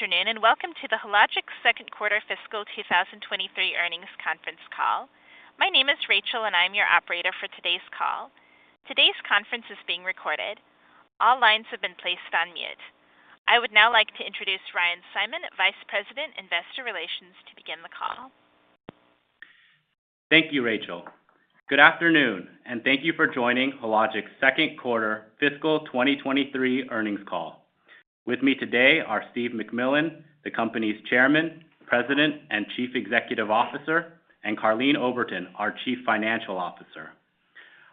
Good afternoon, welcome to the Hologic second quarter fiscal 2023 earnings conference call. My name is Rachel, and I'm your operator for today's call. Today's conference is being recorded. All lines have been placed on mute. I would now like to introduce Ryan Simon, Vice President, Investor Relations, to begin the call. Thank you, Rachel. Good afternoon. Thank you for joining Hologic second quarter fiscal 2023 earnings call. With me today are Steve MacMillan, the company's Chairman, President, and Chief Executive Officer, and Karleen Oberton, our Chief Financial Officer.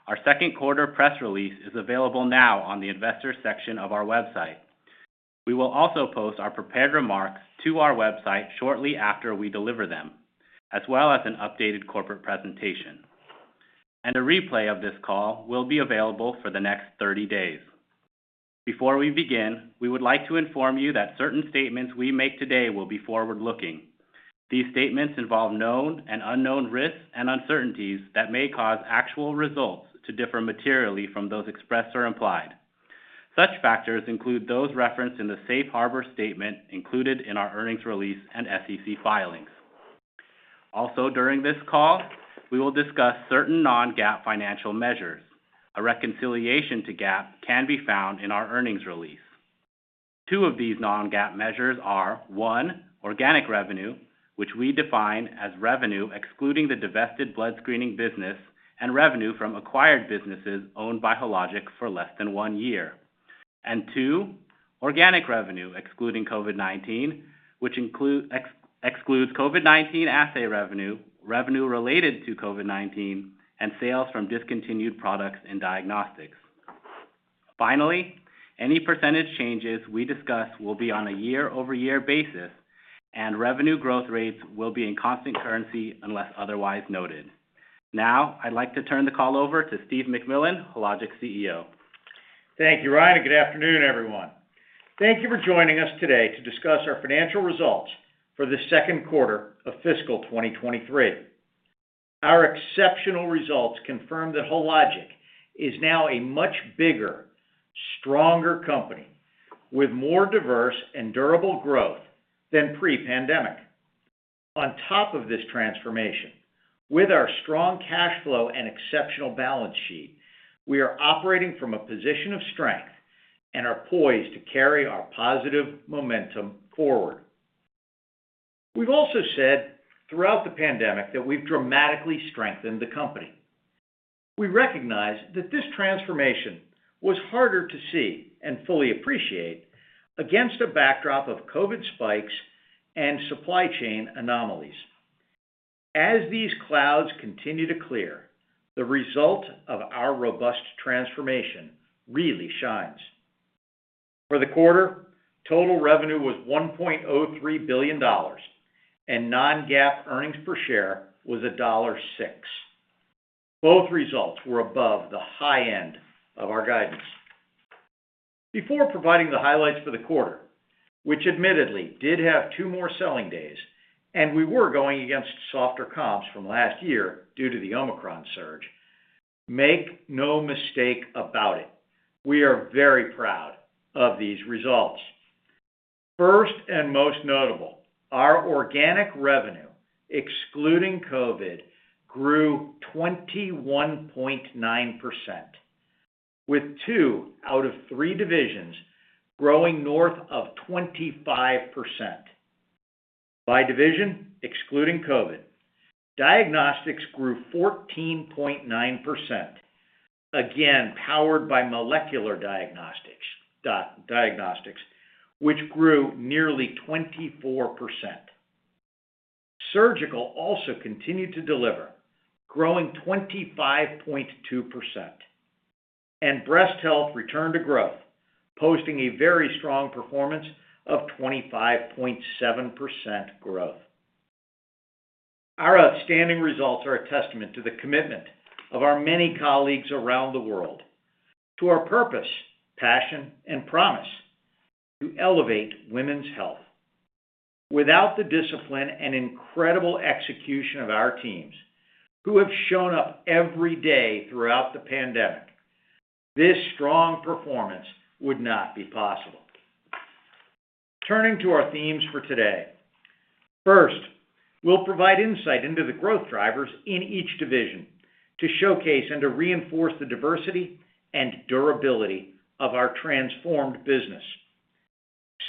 Our second quarter press release is available now on the Investors section of our website. We will also post our prepared remarks to our website shortly after we deliver them, as well as an updated corporate presentation. A replay of this call will be available for the next 30 days. Before we begin, we would like to inform you that certain statements we make today will be forward-looking. These statements involve known and unknown risks and uncertainties that may cause actual results to differ materially from those expressed or implied. Such factors include those referenced in the safe harbor statement included in our earnings release and SEC filings. Also, during this call, we will discuss certain non-GAAP financial measures. A reconciliation to GAAP can be found in our earnings release. Two of these non-GAAP measures are, one, organic revenue, which we define as revenue excluding the divested blood screening business and revenue from acquired businesses owned by Hologic for less than one year. Two, organic revenue excluding COVID-19, which excludes COVID-19 assay revenue related to COVID-19, and sales from discontinued products in diagnostics. Finally, any percentage changes we discuss will be on a year-over-year basis, and revenue growth rates will be in constant currency unless otherwise noted. Now, I'd like to turn the call over to Steve MacMillan, Hologic CEO. Thank you, Ryan. Good afternoon, everyone. Thank you for joining us today to discuss our financial results for the second quarter of fiscal 2023. Our exceptional results confirm that Hologic is now a much bigger, stronger company with more diverse and durable growth than pre-pandemic. On top of this transformation, with our strong cash flow and exceptional balance sheet, we are operating from a position of strength and are poised to carry our positive momentum forward. We've also said throughout the pandemic that we've dramatically strengthened the company. We recognize that this transformation was harder to see and fully appreciate against a backdrop of COVID spikes and supply chain anomalies. As these clouds continue to clear, the result of our robust transformation really shines. For the quarter, total revenue was $1.03 billion, and non-GAAP earnings per share was $1.06. Both results were above the high end of our guidance. Before providing the highlights for the quarter, which admittedly did have two more selling days, and we were going against softer comps from last year due to the Omicron surge, make no mistake about it, we are very proud of these results. First, and most notable, our organic revenue, excluding COVID, grew 21.9%, with two out of three divisions growing north of 25%. By division, excluding COVID, Diagnostics grew 14.9%, again, powered by molecular diagnostics, which grew nearly 24%. Surgical also continued to deliver, growing 25.2%. Breast Health returned to growth, posting a very strong performance of 25.7% growth. Our outstanding results are a testament to the commitment of our many colleagues around the world to our purpose, passion, and promise to elevate women's health. Without the discipline and incredible execution of our teams who have shown up every day throughout the pandemic, this strong performance would not be possible. Turning to our themes for today. First, we'll provide insight into the growth drivers in each division to showcase and to reinforce the diversity and durability of our transformed business.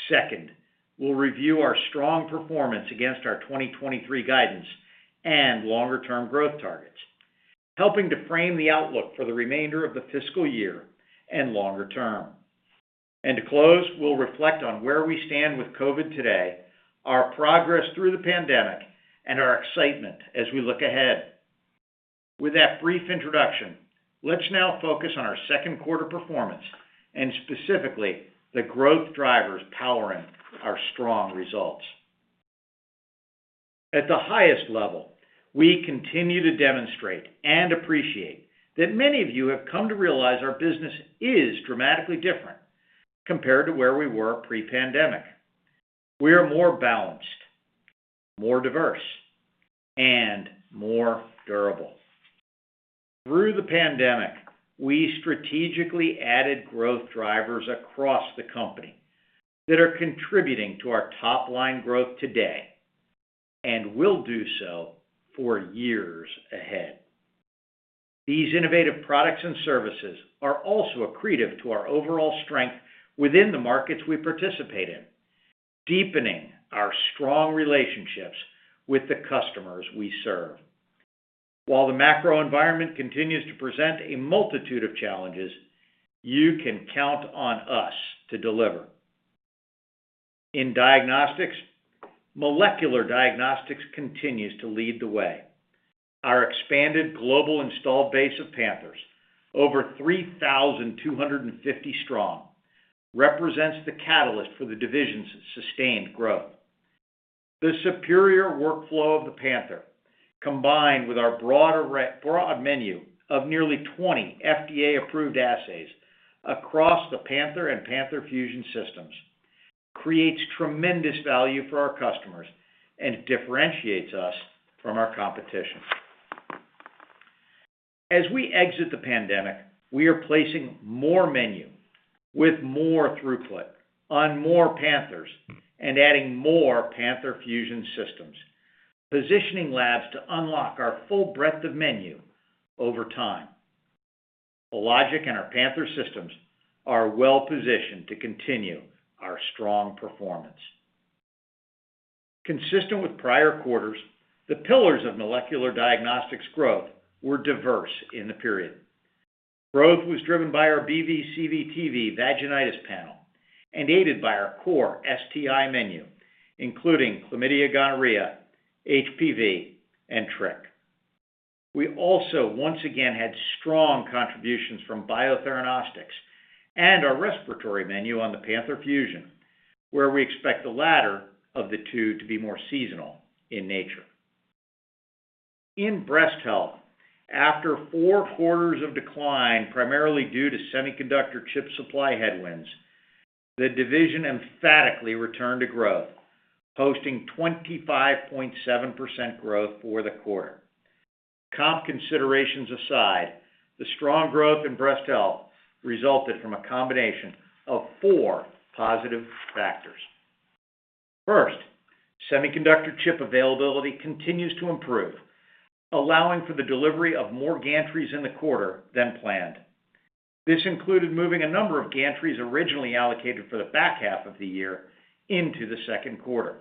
Second, we'll review our strong performance against our 2023 guidance and longer-term growth targets, helping to frame the outlook for the remainder of the fiscal year and longer term. To close, we'll reflect on where we stand with COVID today, our progress through the pandemic, and our excitement as we look ahead. With that brief introduction, let's now focus on our second quarter performance and specifically the growth drivers powering our strong results. At the highest level, we continue to demonstrate and appreciate that many of you have come to realize our business is dramatically different compared to where we were pre-pandemic. We are more balanced, more diverse, and more durable. Through the pandemic, we strategically added growth drivers across the company that are contributing to our top-line growth today and will do so for years ahead. These innovative products and services are also accretive to our overall strength within the markets we participate in, deepening our strong relationships with the customers we serve. While the macro environment continues to present a multitude of challenges, you can count on us to deliver. In diagnostics, molecular diagnostics continues to lead the way. Our expanded global installed base of Panthers, over 3,250 strong, represents the catalyst for the division's sustained growth. The superior workflow of the Panther, combined with our broader broad menu of nearly 20 FDA-approved assays across the Panther and Panther Fusion systems, creates tremendous value for our customers and differentiates us from our competition. As we exit the pandemic, we are placing more menu with more throughput on more Panthers and adding more Panther Fusion systems, positioning labs to unlock our full breadth of menu over time. Hologic and our Panther systems are well-positioned to continue our strong performance. Consistent with prior quarters, the pillars of molecular diagnostics growth were diverse in the period. Growth was driven by our BV/CV/TV vaginitis panel and aided by our core STI menu, including chlamydia, gonorrhea, HPV, and trich. We also once again had strong contributions from Biotheranostics and our respiratory menu on the Panther Fusion, where we expect the latter of the two to be more seasonal in nature. In breast health, after four quarters of decline, primarily due to semiconductor chip supply headwinds, the division emphatically returned to growth, posting 25.7% growth for the quarter. Comp considerations aside, the strong growth in breast health resulted from a combination of four positive factors. First, semiconductor chip availability continues to improve, allowing for the delivery of more gantries in the quarter than planned. This included moving a number of gantries originally allocated for the back half of the year into the second quarter.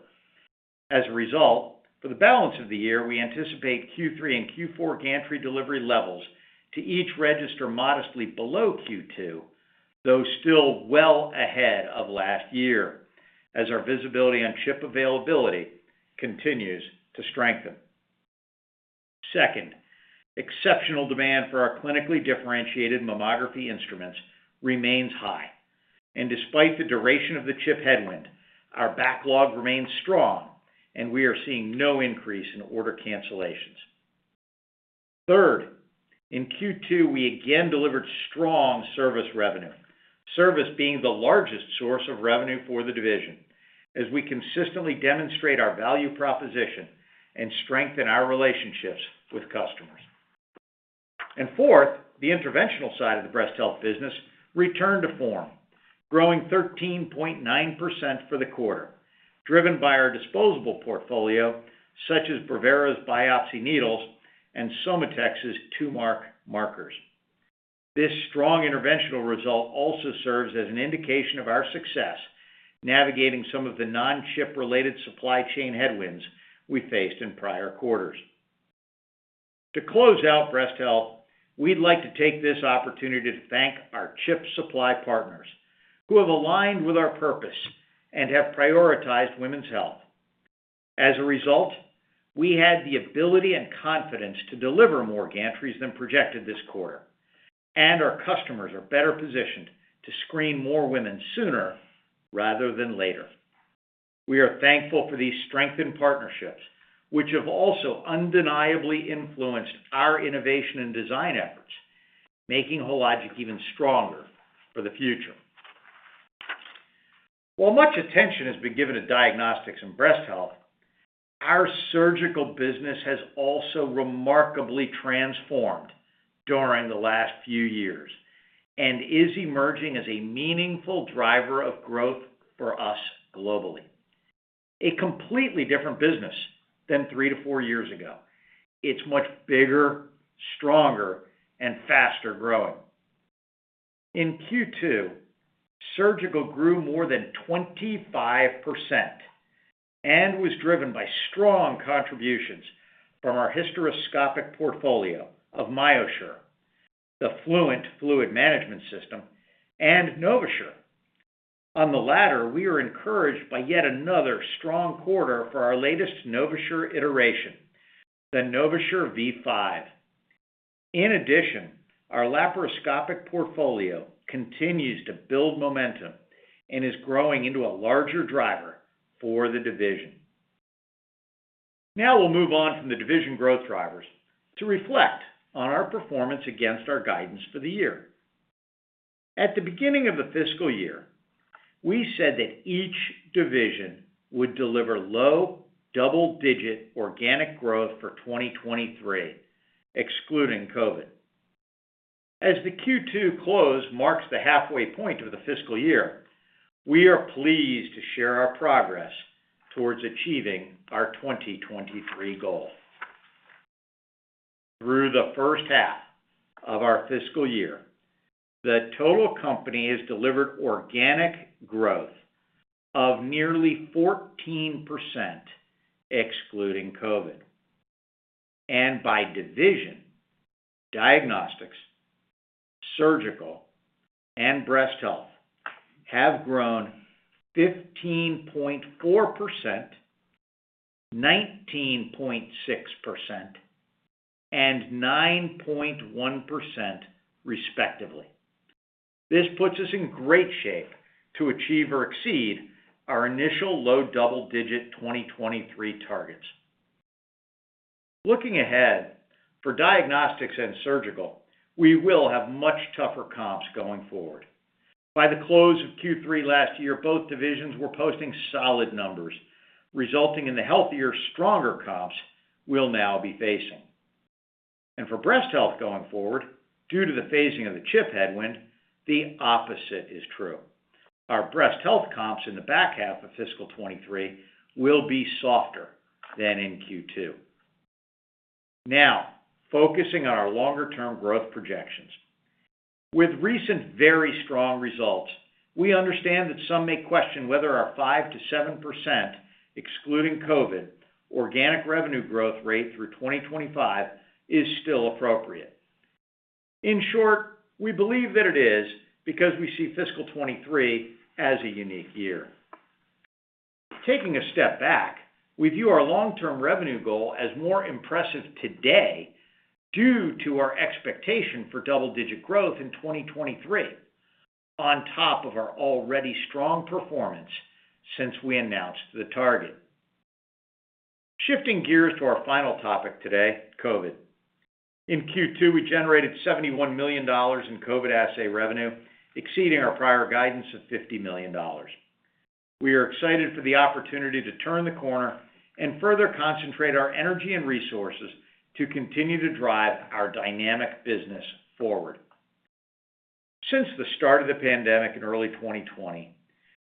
As a result, for the balance of the year, we anticipate Q3 and Q4 gantry delivery levels to each register modestly below Q2, though still well ahead of last year, as our visibility on chip availability continues to strengthen. Second, exceptional demand for our clinically differentiated mammography instruments remains high. Despite the duration of the chip headwind, our backlog remains strong, and we are seeing no increase in order cancellations. Third, in Q2, we again delivered strong service revenue, service being the largest source of revenue for the division, as we consistently demonstrate our value proposition and strengthen our relationships with customers. Fourth, the interventional side of the breast health business returned to form, growing 13.9% for the quarter, driven by our disposable portfolio, such as Brevera's biopsy needles and SOMATEX's Tumark markers. This strong interventional result also serves as an indication of our success navigating some of the non-chip-related supply chain headwinds we faced in prior quarters. To close out breast health, we'd like to take this opportunity to thank our chip supply partners who have aligned with our purpose and have prioritized women's health. As a result, we had the ability and confidence to deliver more gantries than projected this quarter, and our customers are better positioned to screen more women sooner rather than later. We are thankful for these strengthened partnerships, which have also undeniably influenced our innovation and design efforts, making Hologic even stronger for the future. While much attention has been given to diagnostics and breast health, our surgical business has also remarkably transformed during the last few years and is emerging as a meaningful driver of growth for us globally. A completely different business than three to four years ago, it's much bigger, stronger, and faster-growing. In Q2, surgical grew more than 25% and was driven by strong contributions from our hysteroscopic portfolio of MyoSure, the Fluent Fluid Management System, and NovaSure. On the latter, we are encouraged by yet another strong quarter for our latest NovaSure iteration, the NovaSure V5. In addition, our laparoscopic portfolio continues to build momentum and is growing into a larger driver for the division. We'll move on from the division growth drivers to reflect on our performance against our guidance for the year. At the beginning of the fiscal year, we said that each division would deliver low double-digit organic growth for 2023, excluding COVID. As the Q2 close marks the halfway point of the fiscal year, we are pleased to share our progress towards achieving our 2023 goal. Through the first half of our fiscal year, the total company has delivered organic growth of nearly 14% excluding COVID. By division, diagnostics, surgical, and breast health have grown 15.4%, 19.6%, and 9.1% respectively. This puts us in great shape to achieve or exceed our initial low double-digit 2023 targets. Looking ahead, for diagnostics and surgical, we will have much tougher comps going forward. By the close of Q3 last year, both divisions were posting solid numbers, resulting in the healthier, stronger comps we'll now be facing. For breast health going forward, due to the phasing of the chip headwind, the opposite is true. Our breast health comps in the back half of fiscal 23 will be softer than in Q2. Focusing on our longer-term growth projections. With recent very strong results, we understand that some may question whether our 5%-7% excluding COVID organic revenue growth rate through 2025 is still appropriate. In short, we believe that it is because we see fiscal 23 as a unique year. Taking a step back, we view our long-term revenue goal as more impressive today due to our expectation for double-digit growth in 2023 on top of our already strong performance since we announced the target. Shifting gears to our final topic today, COVID. In Q2, we generated $71 million in COVID assay revenue, exceeding our prior guidance of $50 million. We are excited for the opportunity to turn the corner and further concentrate our energy and resources to continue to drive our dynamic business forward. Since the start of the pandemic in early 2020,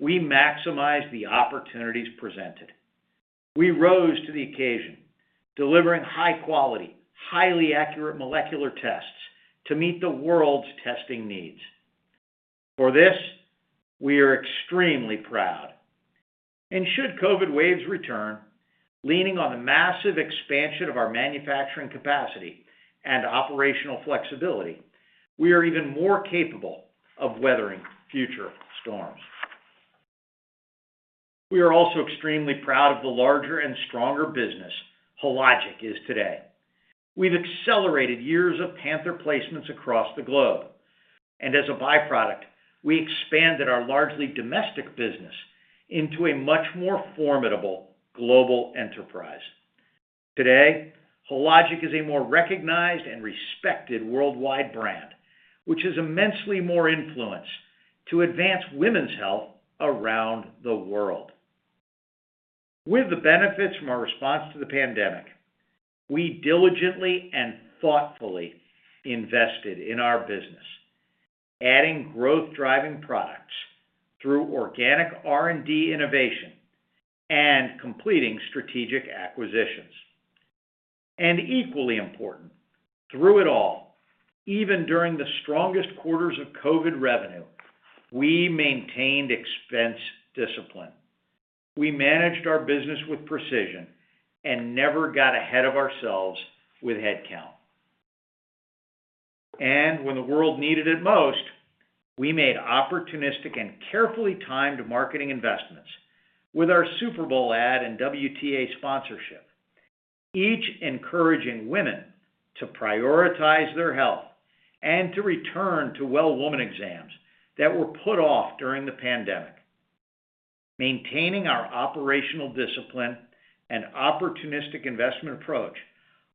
we maximized the opportunities presented. We rose to the occasion, delivering high quality, highly accurate molecular tests to meet the world's testing needs. For this, we are extremely proud. Should COVID waves return, leaning on the massive expansion of our manufacturing capacity and operational flexibility, we are even more capable of weathering future storms. We are also extremely proud of the larger and stronger business Hologic is today. We've accelerated years of Panther placements across the globe. As a by-product, we expanded our largely domestic business into a much more formidable global enterprise. Today, Hologic is a more recognized and respected worldwide brand, which has immensely more influence to advance women's health around the world. With the benefits from our response to the pandemic, we diligently and thoughtfully invested in our business, adding growth-driving products through organic R&D innovation and completing strategic acquisitions. Equally important, through it all, even during the strongest quarters of COVID revenue, we maintained expense discipline. We managed our business with precision and never got ahead of ourselves with headcount. When the world needed it most, we made opportunistic and carefully timed marketing investments with our Super Bowl ad and WTA sponsorship, each encouraging women to prioritize their health and to return to well-woman exams that were put off during the pandemic. Maintaining our operational discipline and opportunistic investment approach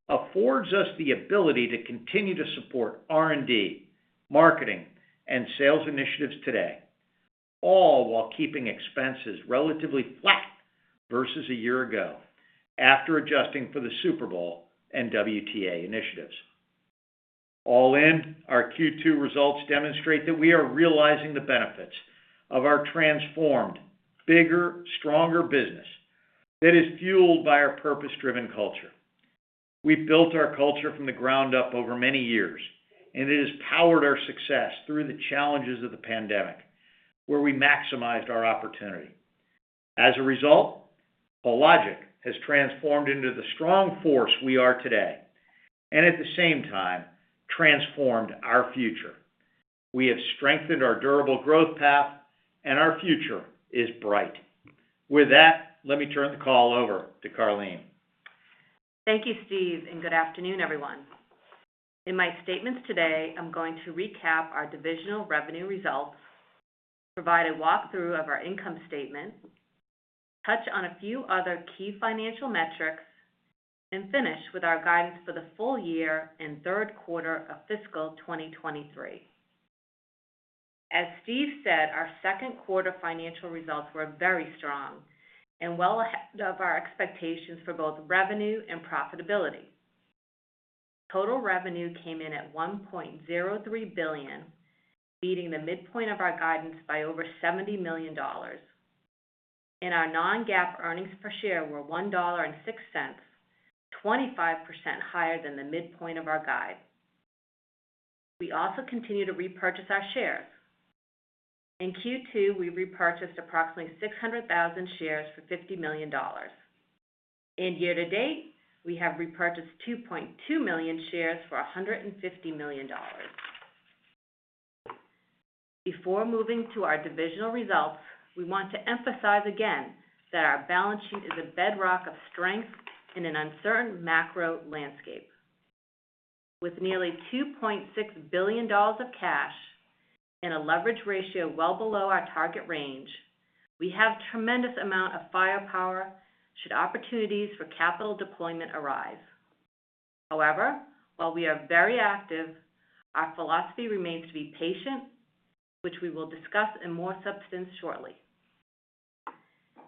affords us the ability to continue to support R&D, marketing, and sales initiatives today, all while keeping expenses relatively flat versus a year ago after adjusting for the Super Bowl and WTA initiatives. All in, our Q2 results demonstrate that we are realizing the benefits of our transformed, bigger, stronger business that is fueled by our purpose-driven culture. We've built our culture from the ground up over many years, and it has powered our success through the challenges of the pandemic, where we maximized our opportunity. As a result, Hologic has transformed into the strong force we are today, and at the same time, transformed our future. We have strengthened our durable growth path and our future is bright. With that, let me turn the call over to Karleen. Thank you, Steve. Good afternoon, everyone. In my statements today, I'm going to recap our divisional revenue results. Provide a walkthrough of our income statement, touch on a few other key financial metrics, and finish with our guidance for the full year and third quarter of fiscal 2023. As Steve said, our second quarter financial results were very strong and well ahead of our expectations for both revenue and profitability. Total revenue came in at $1.03 billion, beating the midpoint of our guidance by over $70 million. Our non-GAAP earnings per share were $1.06, 25% higher than the midpoint of our guide. We also continue to repurchase our shares. In Q2, we repurchased approximately 600,000 shares for $50 million. Year to date, we have repurchased 2.2 million shares for $150 million. Before moving to our divisional results, we want to emphasize again that our balance sheet is a bedrock of strength in an uncertain macro landscape. With nearly $2.6 billion of cash and a leverage ratio well below our target range, we have tremendous amount of firepower should opportunities for capital deployment arise. However, while we are very active, our philosophy remains to be patient, which we will discuss in more substance shortly.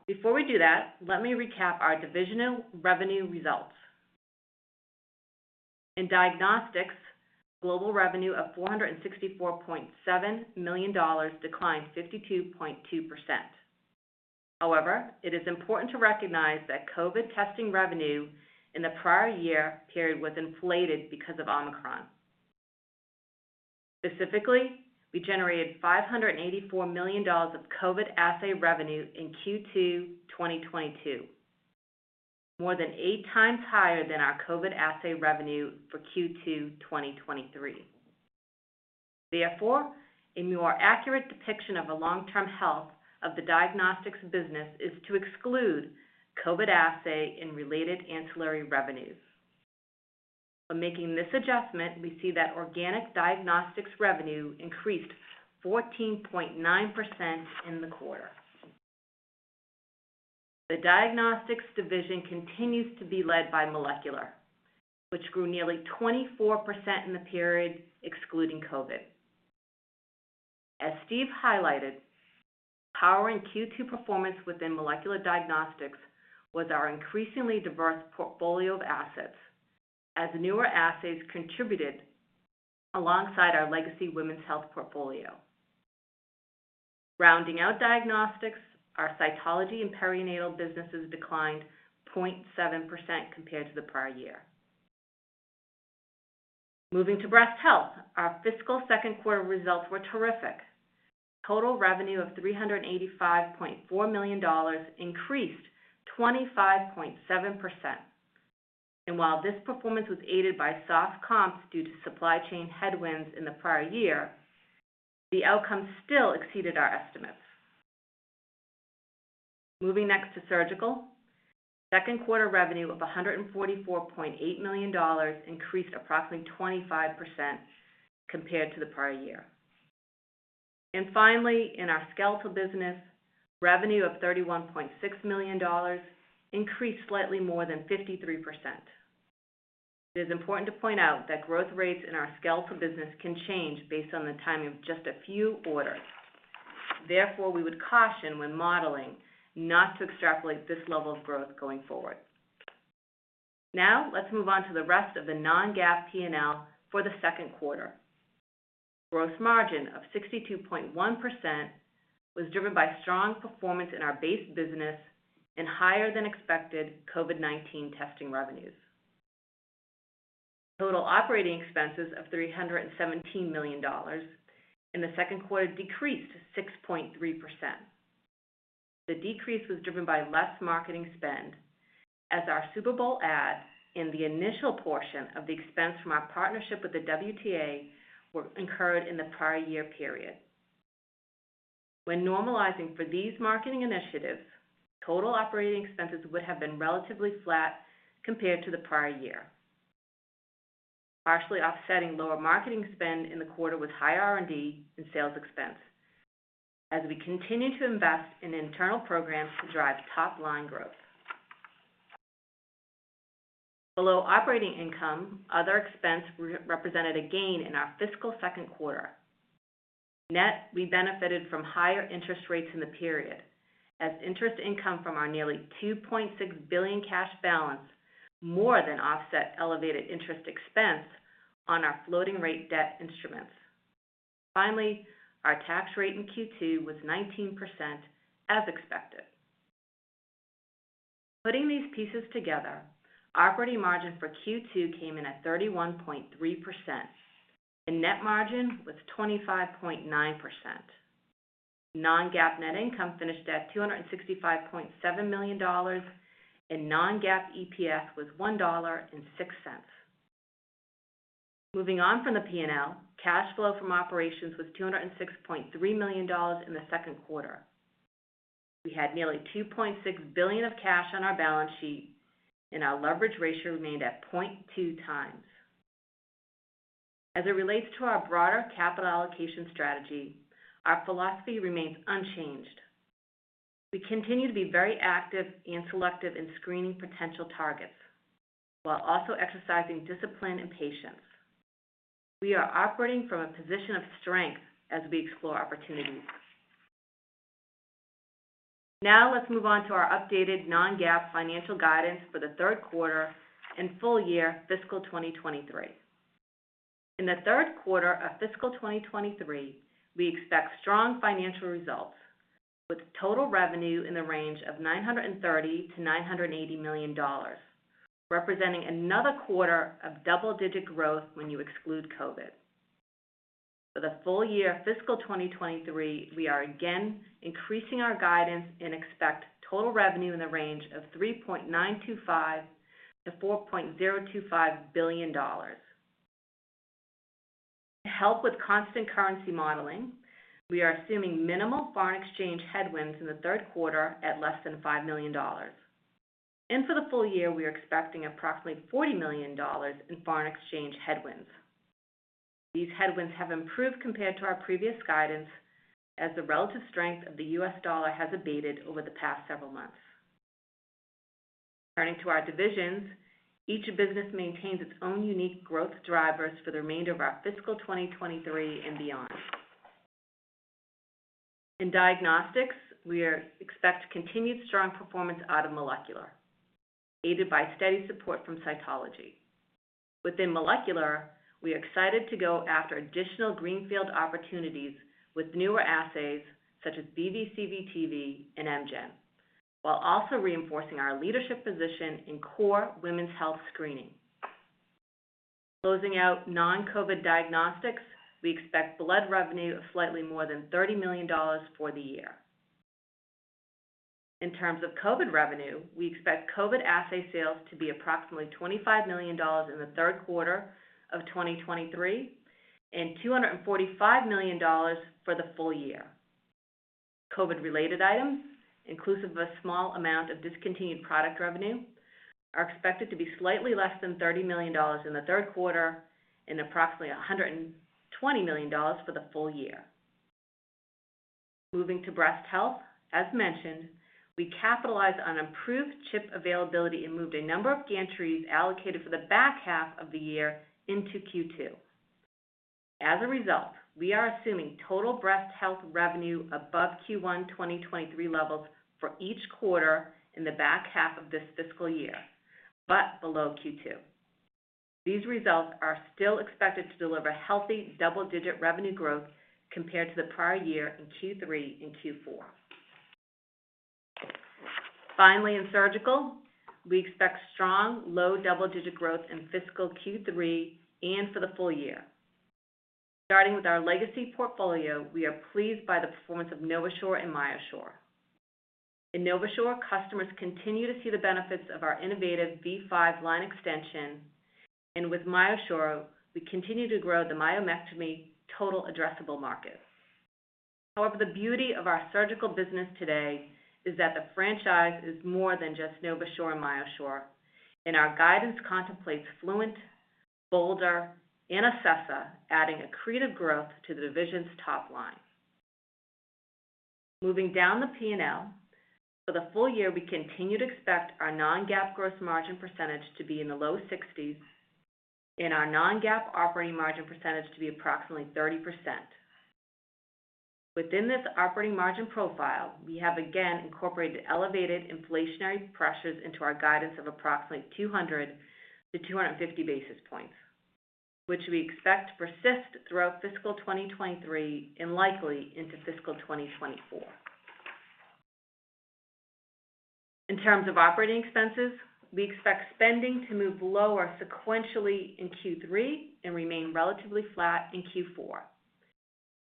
Before we do that, let me recap our divisional revenue results. In diagnostics, global revenue of $464.7 million declined 52.2%. However, it is important to recognize that COVID testing revenue in the prior year period was inflated because of Omicron. Specifically, we generated $584 million of COVID assay revenue in Q2 2022, more than 8 times higher than our COVID assay revenue for Q2 2023. Therefore, a more accurate depiction of the long-term health of the diagnostics business is to exclude COVID assay and related ancillary revenues. When making this adjustment, we see that organic diagnostics revenue increased 14.9% in the quarter. The diagnostics division continues to be led by molecular, which grew nearly 24% in the period, excluding COVID. As Steve highlighted, powering Q2 performance within molecular diagnostics was our increasingly diverse portfolio of assets as newer assays contributed alongside our legacy women's health portfolio. Rounding out diagnostics, our cytology and perinatal businesses declined 0.7% compared to the prior year. Moving to breast health, our fiscal second quarter results were terrific. Total revenue of $385.4 million increased 25.7%. While this performance was aided by soft comps due to supply chain headwinds in the prior year, the outcome still exceeded our estimates. Moving next to surgical, second quarter revenue of $144.8 million increased approximately 25% compared to the prior year. Finally, in our skeletal business, revenue of $31.6 million increased slightly more than 53%. It is important to point out that growth rates in our skeletal business can change based on the timing of just a few orders. Therefore, we would caution when modeling not to extrapolate this level of growth going forward. Let's move on to the rest of the non-GAAP P&L for the second quarter. Gross margin of 62.1% was driven by strong performance in our base business and higher than expected COVID-19 testing revenues. Total operating expenses of $317 million in the second quarter decreased 6.3%. The decrease was driven by less marketing spend as our Super Bowl ad and the initial portion of the expense from our partnership with the WTA were incurred in the prior year period. When normalizing for these marketing initiatives, total operating expenses would have been relatively flat compared to the prior year. Partially offsetting lower marketing spend in the quarter was higher R&D and sales expense as we continue to invest in internal programs to drive top-line growth. Below operating income, other expense re-represented a gain in our fiscal second quarter. We benefited from higher interest rates in the period as interest income from our nearly $2.6 billion cash balance more than offset elevated interest expense on our floating-rate debt instruments. Our tax rate in Q2 was 19%, as expected. Putting these pieces together, operating margin for Q2 came in at 31.3% and net margin was 25.9%. Non-GAAP net income finished at $265.7 million and non-GAAP EPS was $1.06. Moving on from the P&L, cash flow from operations was $206.3 million in the second quarter. We had nearly $2.6 billion of cash on our balance sheet, and our leverage ratio remained at 0.2 times. As it relates to our broader capital allocation strategy, our philosophy remains unchanged. We continue to be very active and selective in screening potential targets while also exercising discipline and patience. We are operating from a position of strength as we explore opportunities. Let's move on to our updated non-GAAP financial guidance for the third quarter and full year fiscal 2023. In the third quarter of fiscal 2023, we expect strong financial results with total revenue in the range of $930 million-$980 million, representing another quarter of double-digit growth when you exclude COVID. For the full year fiscal 2023, we are again increasing our guidance and expect total revenue in the range of $3.925 billion-$4.025 billion. To help with constant currency modeling, we are assuming minimal foreign exchange headwinds in the third quarter at less than $5 million. For the full year, we are expecting approximately $40 million in foreign exchange headwinds. These headwinds have improved compared to our previous guidance as the relative strength of the US dollar has abated over the past several months. Turning to our divisions, each business maintains its own unique growth drivers for the remainder of our fiscal 2023 and beyond. In diagnostics, we expect continued strong performance out of molecular, aided by steady support from cytology. Within molecular, we are excited to go after additional greenfield opportunities with newer assays such as BV/CV, TV, and MGen, while also reinforcing our leadership position in core women's health screening. Closing out non-COVID diagnostics, we expect blood revenue of slightly more than $30 million for the year. In terms of COVID revenue, we expect COVID assay sales to be approximately $25 million in the third quarter of 2023 and $245 million for the full year. COVID-related items, inclusive of a small amount of discontinued product revenue, are expected to be slightly less than $30 million in the third quarter and approximately $120 million for the full year. Moving to breast health, as mentioned, we capitalized on improved chip availability and moved a number of gantries allocated for the back half of the year into Q2. As a result, we are assuming total breast health revenue above Q1 2023 levels for each quarter in the back half of this fiscal year, but below Q2. These results are still expected to deliver healthy double-digit revenue growth compared to the prior year in Q3 and Q4. Finally, in surgical, we expect strong low double-digit growth in fiscal Q3 and for the full year. Starting with our legacy portfolio, we are pleased by the performance of NovaSure and MyoSure. In NovaSure, customers continue to see the benefits of our innovative V5 line extension, and with MyoSure, we continue to grow the myomectomy total addressable market. However, the beauty of our surgical business today is that the franchise is more than just NovaSure and MyoSure, and our guidance contemplates Fluent, Bolder, and Acessa adding accretive growth to the division's top line. Moving down the P&L, for the full year, we continue to expect our non-GAAP gross margin percentage to be in the low 60s and our non-GAAP operating margin percentage to be approximately 30%. Within this operating margin profile, we have again incorporated elevated inflationary pressures into our guidance of approximately 200-250 basis points, which we expect to persist throughout fiscal 2023 and likely into fiscal 2024. In terms of operating expenses, we expect spending to move lower sequentially in Q3 and remain relatively flat in Q4.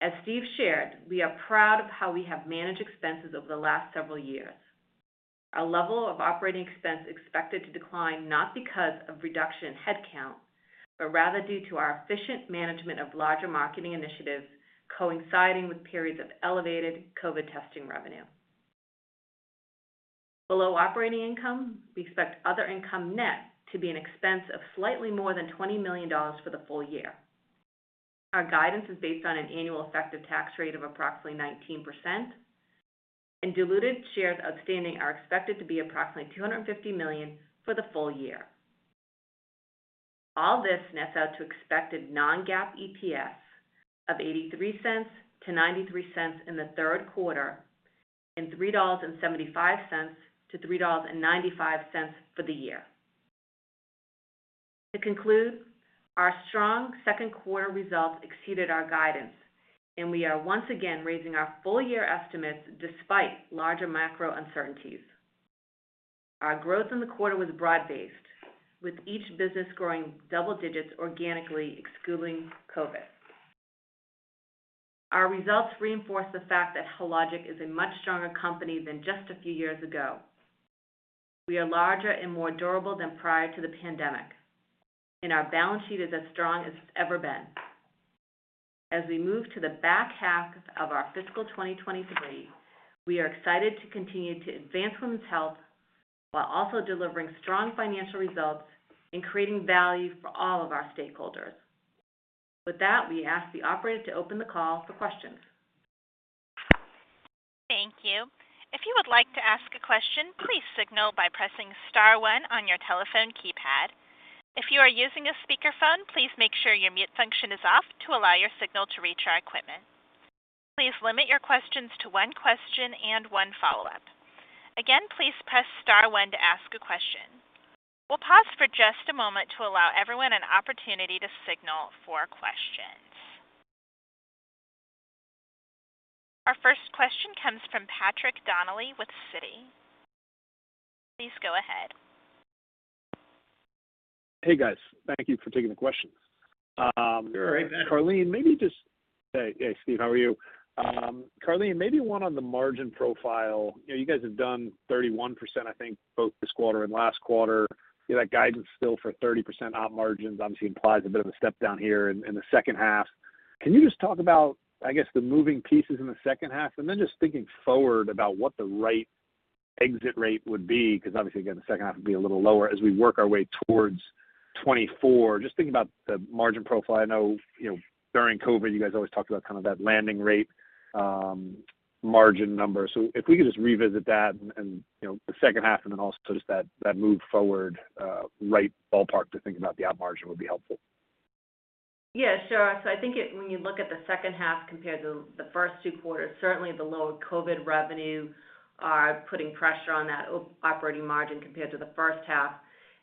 As Steve shared, we are proud of how we have managed expenses over the last several years. Our level of operating expense expected to decline not because of reduction in headcount, but rather due to our efficient management of larger marketing initiatives coinciding with periods of elevated COVID-19 testing revenue. Below operating income, we expect other income net to be an expense of slightly more than $20 million for the full year. Our guidance is based on an annual effective tax rate of approximately 19% and diluted shares outstanding are expected to be approximately 250 million for the full year. All this nets out to expected non-GAAP EPS of $0.83-$0.93 in the third quarter and $3.75-$3.95 for the year. To conclude, our strong second quarter results exceeded our guidance, and we are once again raising our full year estimates despite larger macro uncertainties. Our growth in the quarter was broad-based, with each business growing double digits organically, excluding COVID. Our results reinforce the fact that Hologic is a much stronger company than just a few years ago. We are larger and more durable than prior to the pandemic, and our balance sheet is as strong as it's ever been. As we move to the back half of our fiscal 2023, we are excited to continue to advance women's health while also delivering strong financial results and creating value for all of our stakeholders. With that, we ask the operator to open the call for questions. Thank you. If you would like to ask a question, please signal by pressing star one on your telephone keypad. If you are using a speakerphone, please make sure your mute function is off to allow your signal to reach our equipment. Please limit your questions to one question and one follow-up. Again, please press star one to ask a question. We'll pause for just a moment to allow everyone an opportunity to signal for questions. Our first question comes from Patrick Donnelly with Citi. Please go ahead. Hey, guys. Thank you for taking the questions. You're all right, man Karleen, maybe just... Hey, Steve MacMillan, how are you? Karleen, maybe one on the margin profile. You know, you guys have done 31%, I think, both this quarter and last quarter. You have that guidance still for 30% op margins obviously implies a bit of a step down here in the second half. Can you just talk about, I guess, the moving pieces in the second half? Just thinking forward about what the right exit rate would be, 'cause obviously, again, the second half would be a little lower as we work our way towards 2024. Just thinking about the margin profile. I know, you know, during COVID-19, you guys always talked about kind of that landing rate, margin number. If we could just revisit that and, you know, the second half and then also just that move forward, right ballpark to think about the op margin would be helpful. Yeah, sure. I think when you look at the second half compared to the first two quarters, certainly the lower COVID revenue are putting pressure on that operating margin compared to the first half.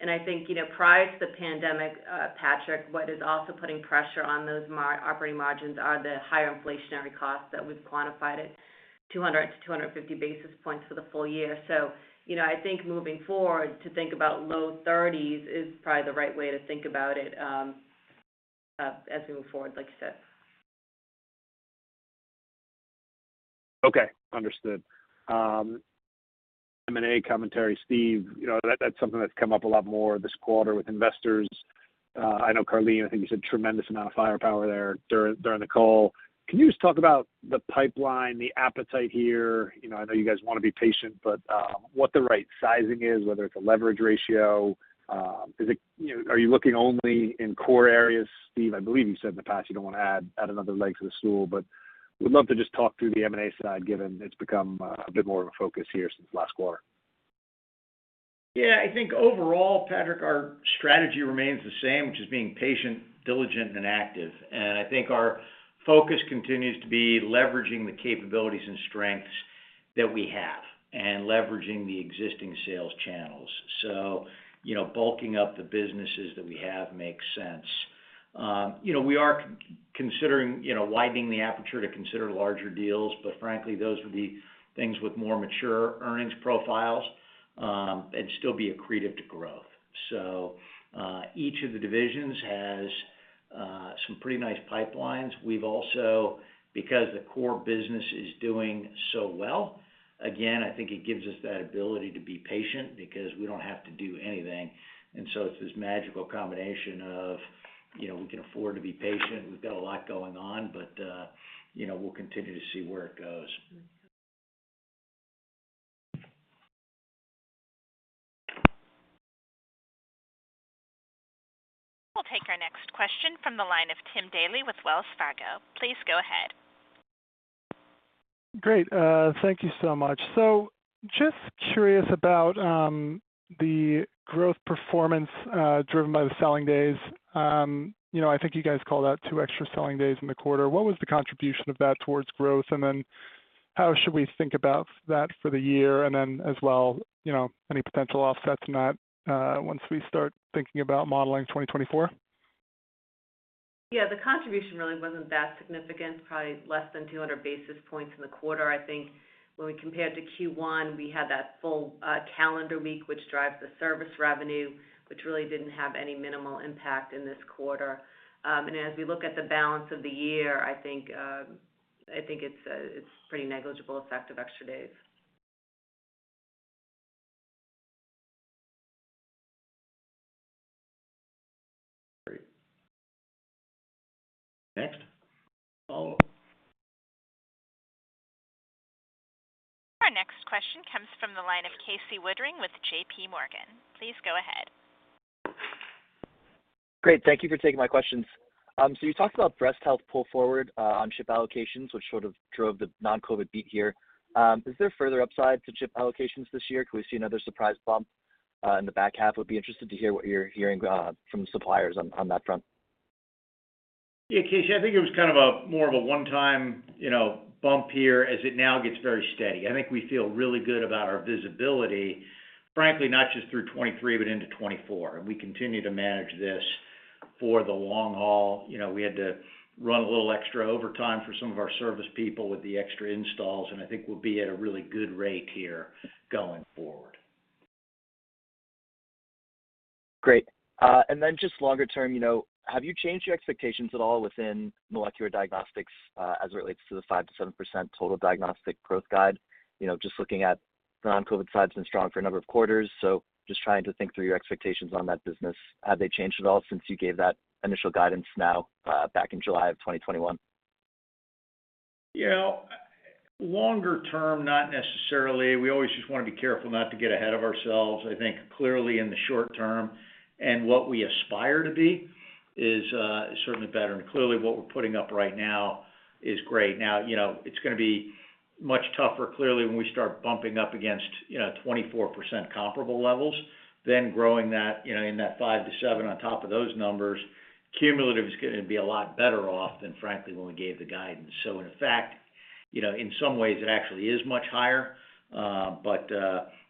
I think, you know, prior to the pandemic, Patrick, what is also putting pressure on those operating margins are the higher inflationary costs that we've quantified at 200 to 250 basis points for the full year. You know, I think moving forward, to think about low thirties is probably the right way to think about it, as we move forward, like you said. Okay. Understood. M&A commentary, Steve, you know, that's something that's come up a lot more this quarter with investors. I know, Karleen, I think you said tremendous amount of firepower there during the call. Can you just talk about the pipeline, the appetite here? You know, I know you guys wanna be patient, but what the right sizing is, whether it's a leverage ratio. You know, are you looking only in core areas, Steve? I believe you said in the past you don't wanna add another leg to the stool, but would love to just talk through the M&A side, given it's become a bit more of a focus here since last quarter. Yeah. I think overall, Patrick, our strategy remains the same, which is being patient, diligent, and active. I think our focus continues to be leveraging the capabilities and strengths that we have and leveraging the existing sales channels. You know, bulking up the businesses that we have makes sense. You know, we are considering, you know, widening the aperture to consider larger deals, but frankly, those would be things with more mature earnings profiles, and still be accretive to growth. Each of the divisions has some pretty nice pipelines. We've also Because the core business is doing so well, again, I think it gives us that ability to be patient because we don't have to do anything. It's this magical combination of, you know, we can afford to be patient. We've got a lot going on, but, you know, we'll continue to see where it goes. We'll take our next question from the line of Tim Daley with Wells Fargo. Please go ahead. Great. thank you so much. Just curious about the growth performance, driven by the selling days. you know, I think you guys called out two extra selling days in the quarter. What was the contribution of that towards growth? How should we think about that for the year? As well, you know, any potential offsets in that, once we start thinking about modeling 2024? Yeah, the contribution really wasn't that significant, probably less than 200 basis points in the quarter. I think when we compared to Q1, we had that full calendar week, which drives the service revenue, which really didn't have any minimal impact in this quarter. As we look at the balance of the year, I think it's pretty negligible effect of extra days. Great. Next follow-up. Our next question comes from the line of Casey Woodring with JPMorgan. Please go ahead. Great. Thank you for taking my questions. You talked about breast health pull forward on chip allocations, which sort of drove the non-COVID beat here. Is there further upside to chip allocations this year? Could we see another surprise bump in the back half? Would be interested to hear what you're hearing from suppliers on that front. Yeah, Casey. I think it was kind of a more of a one-time, you know, bump here as it now gets very steady. I think we feel really good about our visibility, frankly not just through 2023, but into 2024. We continue to manage this for the long haul. You know, we had to run a little extra overtime for some of our service people with the extra installs, and I think we'll be at a really good rate here going forward. Great. Then just longer term, you know, have you changed your expectations at all within molecular diagnostics, as it relates to the 5%-7% total diagnostic growth guide? You know, just looking at. The non-COVID side's been strong for a number of quarters, just trying to think through your expectations on that business. Have they changed at all since you gave that initial guidance now, back in July of 2021? You know, longer term, not necessarily. We always just wanna be careful not to get ahead of ourselves. I think clearly in the short term, and what we aspire to be is certainly better. Clearly what we're putting up right now is great. You know, it's gonna be much tougher clearly when we start bumping up against, you know, 24% comparable levels, then growing that, you know, in that 5-7% on top of those numbers, cumulative is gonna be a lot better off than frankly when we gave the guidance. In fact, you know, in some ways it actually is much higher.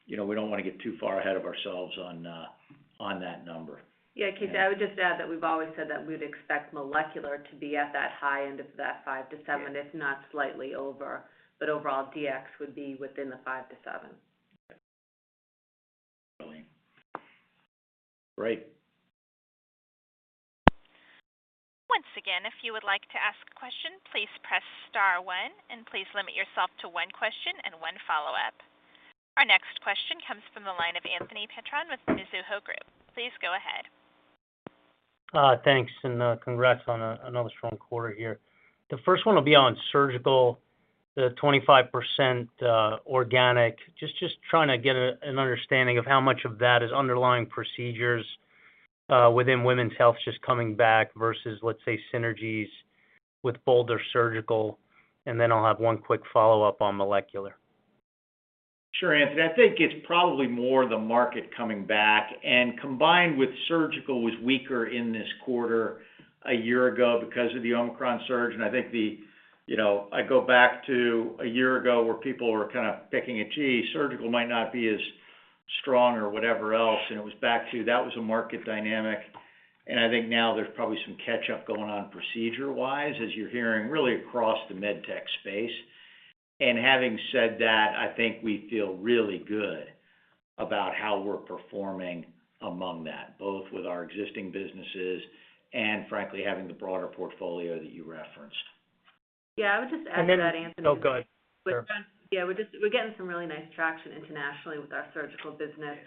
You know, we don't wanna get too far ahead of ourselves on that number. Yeah, Keith, I would just add that we've always said that we'd expect molecular to be at that high end of that 5%-7%, if not slightly over. Overall, DX would be within the 5%-7%. Great. Once again, if you would like to ask a question, please press star one. Please limit yourself to one question and one follow-up. Our next question comes from the line of Anthony Petrone with Mizuho Group. Please go ahead. Thanks, and congrats on another strong quarter here. The first one will be on surgical, the 25% organic. Just trying to get an understanding of how much of that is underlying procedures within women's health just coming back versus, let's say, synergies with Bolder Surgical. I'll have one quick follow-up on molecular. Sure, Anthony. I think it's probably more the market coming back combined with surgical was weaker in this quarter a year ago because of the Omicron surge. I think the, you know, I go back to a year ago where people were kind of thinking that, "Gee, surgical might not be as strong or whatever else." It was back to that was a market dynamic. I think now there's probably some catch-up going on procedure-wise as you're hearing really across the med tech space. Having said that, I think we feel really good about how we're performing among that, both with our existing businesses and frankly, having the broader portfolio that you referenced. Yeah. I would just add to that, Anthony. Oh, go ahead. Sure. Yeah. We're getting some really nice traction internationally with our surgical business.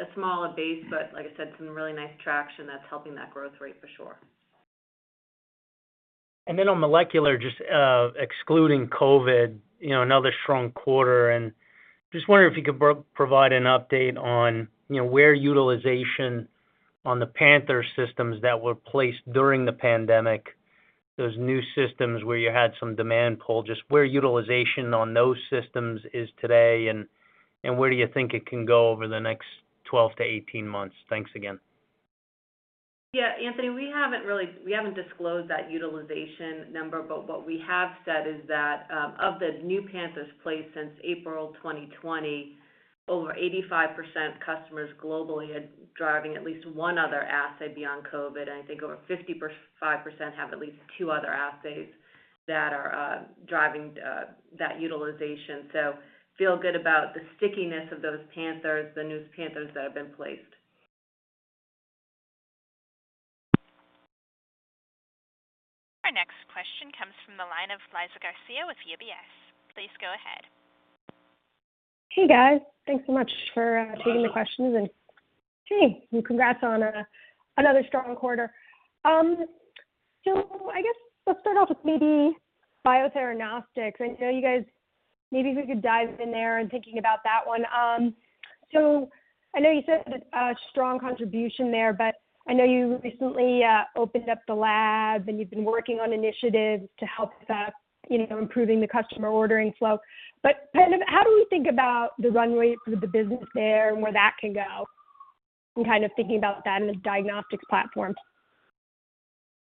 A smaller base, like I said, some really nice traction that's helping that growth rate for sure. On molecular, just, excluding COVID, you know, another strong quarter. Just wondering if you could provide an update on, you know, where utilization on the Panther systems that were placed during the pandemic, those new systems where you had some demand pull, just where utilization on those systems is today, and, where do you think it can go over the next 12 to 18 months? Thanks again. Yeah, Anthony, we haven't disclosed that utilization number, but what we have said is that of the new Panthers placed since April 2020, over 85% customers globally are driving at least one other assay beyond COVID, and I think over 55% have at least two other assays that are driving that utilization. Feel good about the stickiness of those Panthers, the new Panthers that have been placed. Our next question comes from the line of Elizabeth Garcia with UBS. Please go ahead. Hey, guys. Thanks so much for taking the questions. Hey, congrats on another strong quarter. I guess let's start off with maybe Biotheranostics. I know you guys. Maybe if we could dive in there in thinking about that one. I know you said it's a strong contribution there, I know you recently opened up the lab and you've been working on initiatives to help with that, you know, improving the customer ordering flow. Kind of how do we think about the runway for the business there and where that can go? I'm kind of thinking about that in the diagnostics platform.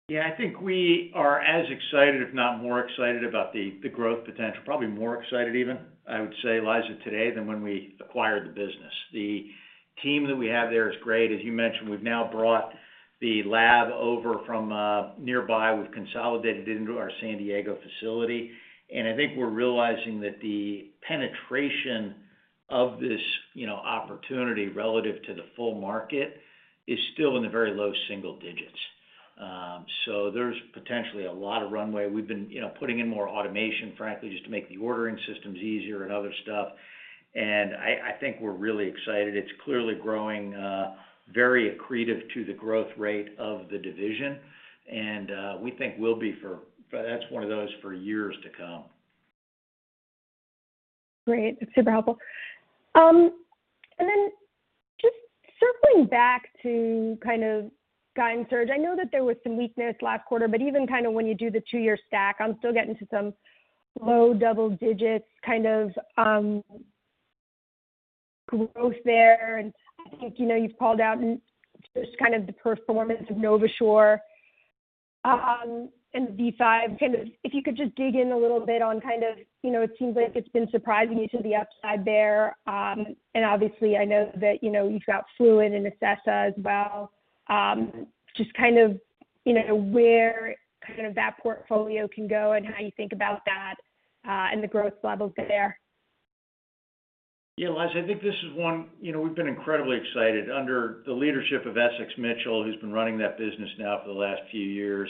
I think we are as excited, if not more excited about the growth potential. Probably more excited even, I would say, Elizabeth, today than when we acquired the business. The team that we have there is great. As you mentioned, we've now brought the lab over from nearby. We've consolidated it into our San Diego facility. I think we're realizing that the penetration of this, you know, opportunity relative to the full market is still in the very low single digits. There's potentially a lot of runway. We've been, you know, putting in more automation, frankly, just to make the ordering systems easier and other stuff. I think we're really excited. It's clearly growing, very accretive to the growth rate of the division. We think we'll be That's one of those for years to come. Great. That's super helpful. Then just circling back to kind of guide and search. I know that there was some weakness last quarter, but even kind of when you do the two-year stack, I'm still getting to some low double digits kind of growth there. I think, you know, you've called out just kind of the performance of NovaSure and V5. Kind of if you could just dig in a little bit on kind of, you know, it seems like it's been surprising you to the upside there. And obviously, I know that, you know, you've got Fluent and Acessa as well. Just kind of, you know, where kind of that portfolio can go and how you think about that and the growth levels there? Yeah, Liza, I think this is one. You know, we've been incredibly excited under the leadership of Essex Mitchell, who's been running that business now for the last few years.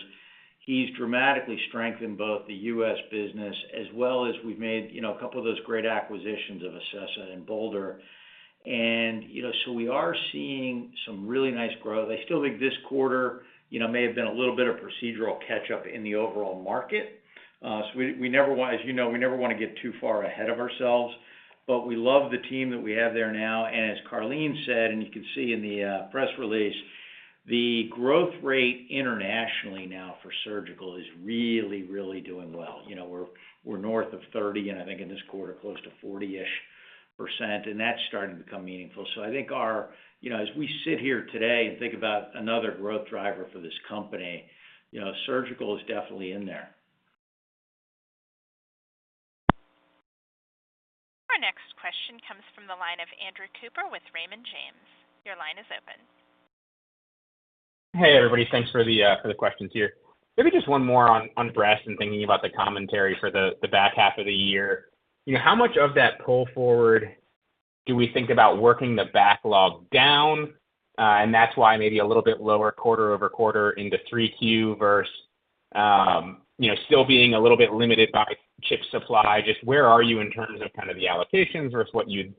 He's dramatically strengthened both the U.S. business as well as we've made, you know, a couple of those great acquisitions of Acessa and Bolder. You know, so we are seeing some really nice growth. I still think this quarter, you know, may have been a little bit of procedural catch-up in the overall market. As you know, we never wanna get too far ahead of ourselves, but we love the team that we have there now. As Karleen said, and you can see in the press release, the growth rate internationally now for surgical is really, really doing well. You know, we're north of 30, I think in this quarter, close to 40-ish%, That's starting to become meaningful. You know, as we sit here today and think about another growth driver for this company, you know, Surgical is definitely in there. Our next question comes from the line of Andrew Cooper with Raymond James. Your line is open. Hey, everybody. Thanks for the for the questions here. Maybe just 1 more on on breath and thinking about the commentary for the back half of the year. You know, how much of that pull forward do we think about working the backlog down, and that's why maybe a little bit lower quarter-over-quarter into 3Q versus, you know, still being a little bit limited by chip supply? Just where are you in terms of kind of the allocations versus what you'd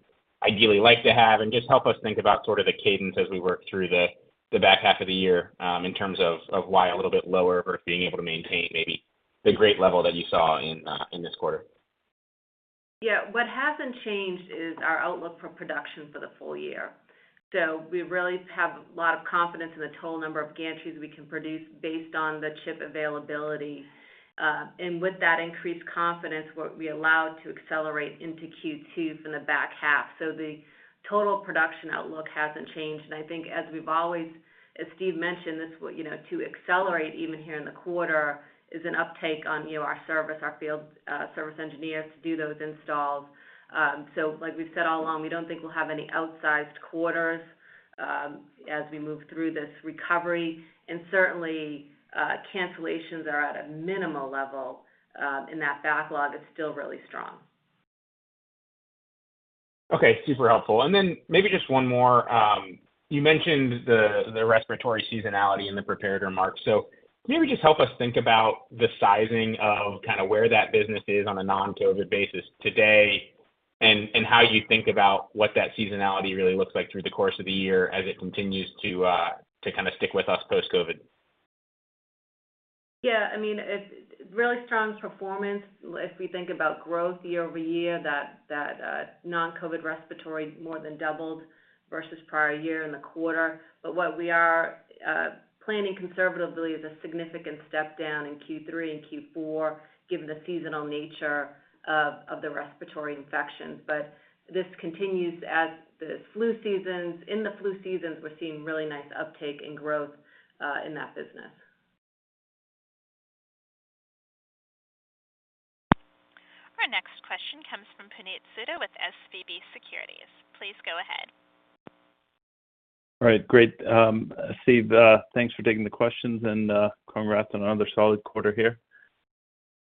ideally like to have? Just help us think about sort of the cadence as we work through the back half of the year, in terms of why a little bit lower versus being able to maintain maybe the great level that you saw in this quarter. Yeah. What hasn't changed is our outlook for production for the full year. We really have a lot of confidence in the total number of gantries we can produce based on the chip availability. With that increased confidence, what we allowed to accelerate into Q2 from the back half. The total production outlook hasn't changed. I think as Steve mentioned, this will, you know, to accelerate even here in the quarter is an uptake on, you know, our service, our field service engineers to do those installs. Like we've said all along, we don't think we'll have any outsized quarters as we move through this recovery. Certainly, cancellations are at a minimal level, and that backlog is still really strong. Okay, super helpful. Maybe just one more. You mentioned the respiratory seasonality in the prepared remarks. Maybe just help us think about the sizing of kind of where that business is on a non-COVID basis today and how you think about what that seasonality really looks like through the course of the year as it continues to to kind of stick with us post-COVID. Yeah. I mean, it's really strong performance. If we think about growth year-over-year, that non-COVID respiratory more than doubled versus prior year in the quarter. What we are planning conservatively is a significant step down in Q3 and Q4, given the seasonal nature of the respiratory infections. In the flu seasons, we're seeing really nice uptake and growth in that business. Our next question comes from Puneet Souda with SVB Securities. Please go ahead. All right. Great. Steve, thanks for taking the questions. Congrats on another solid quarter here.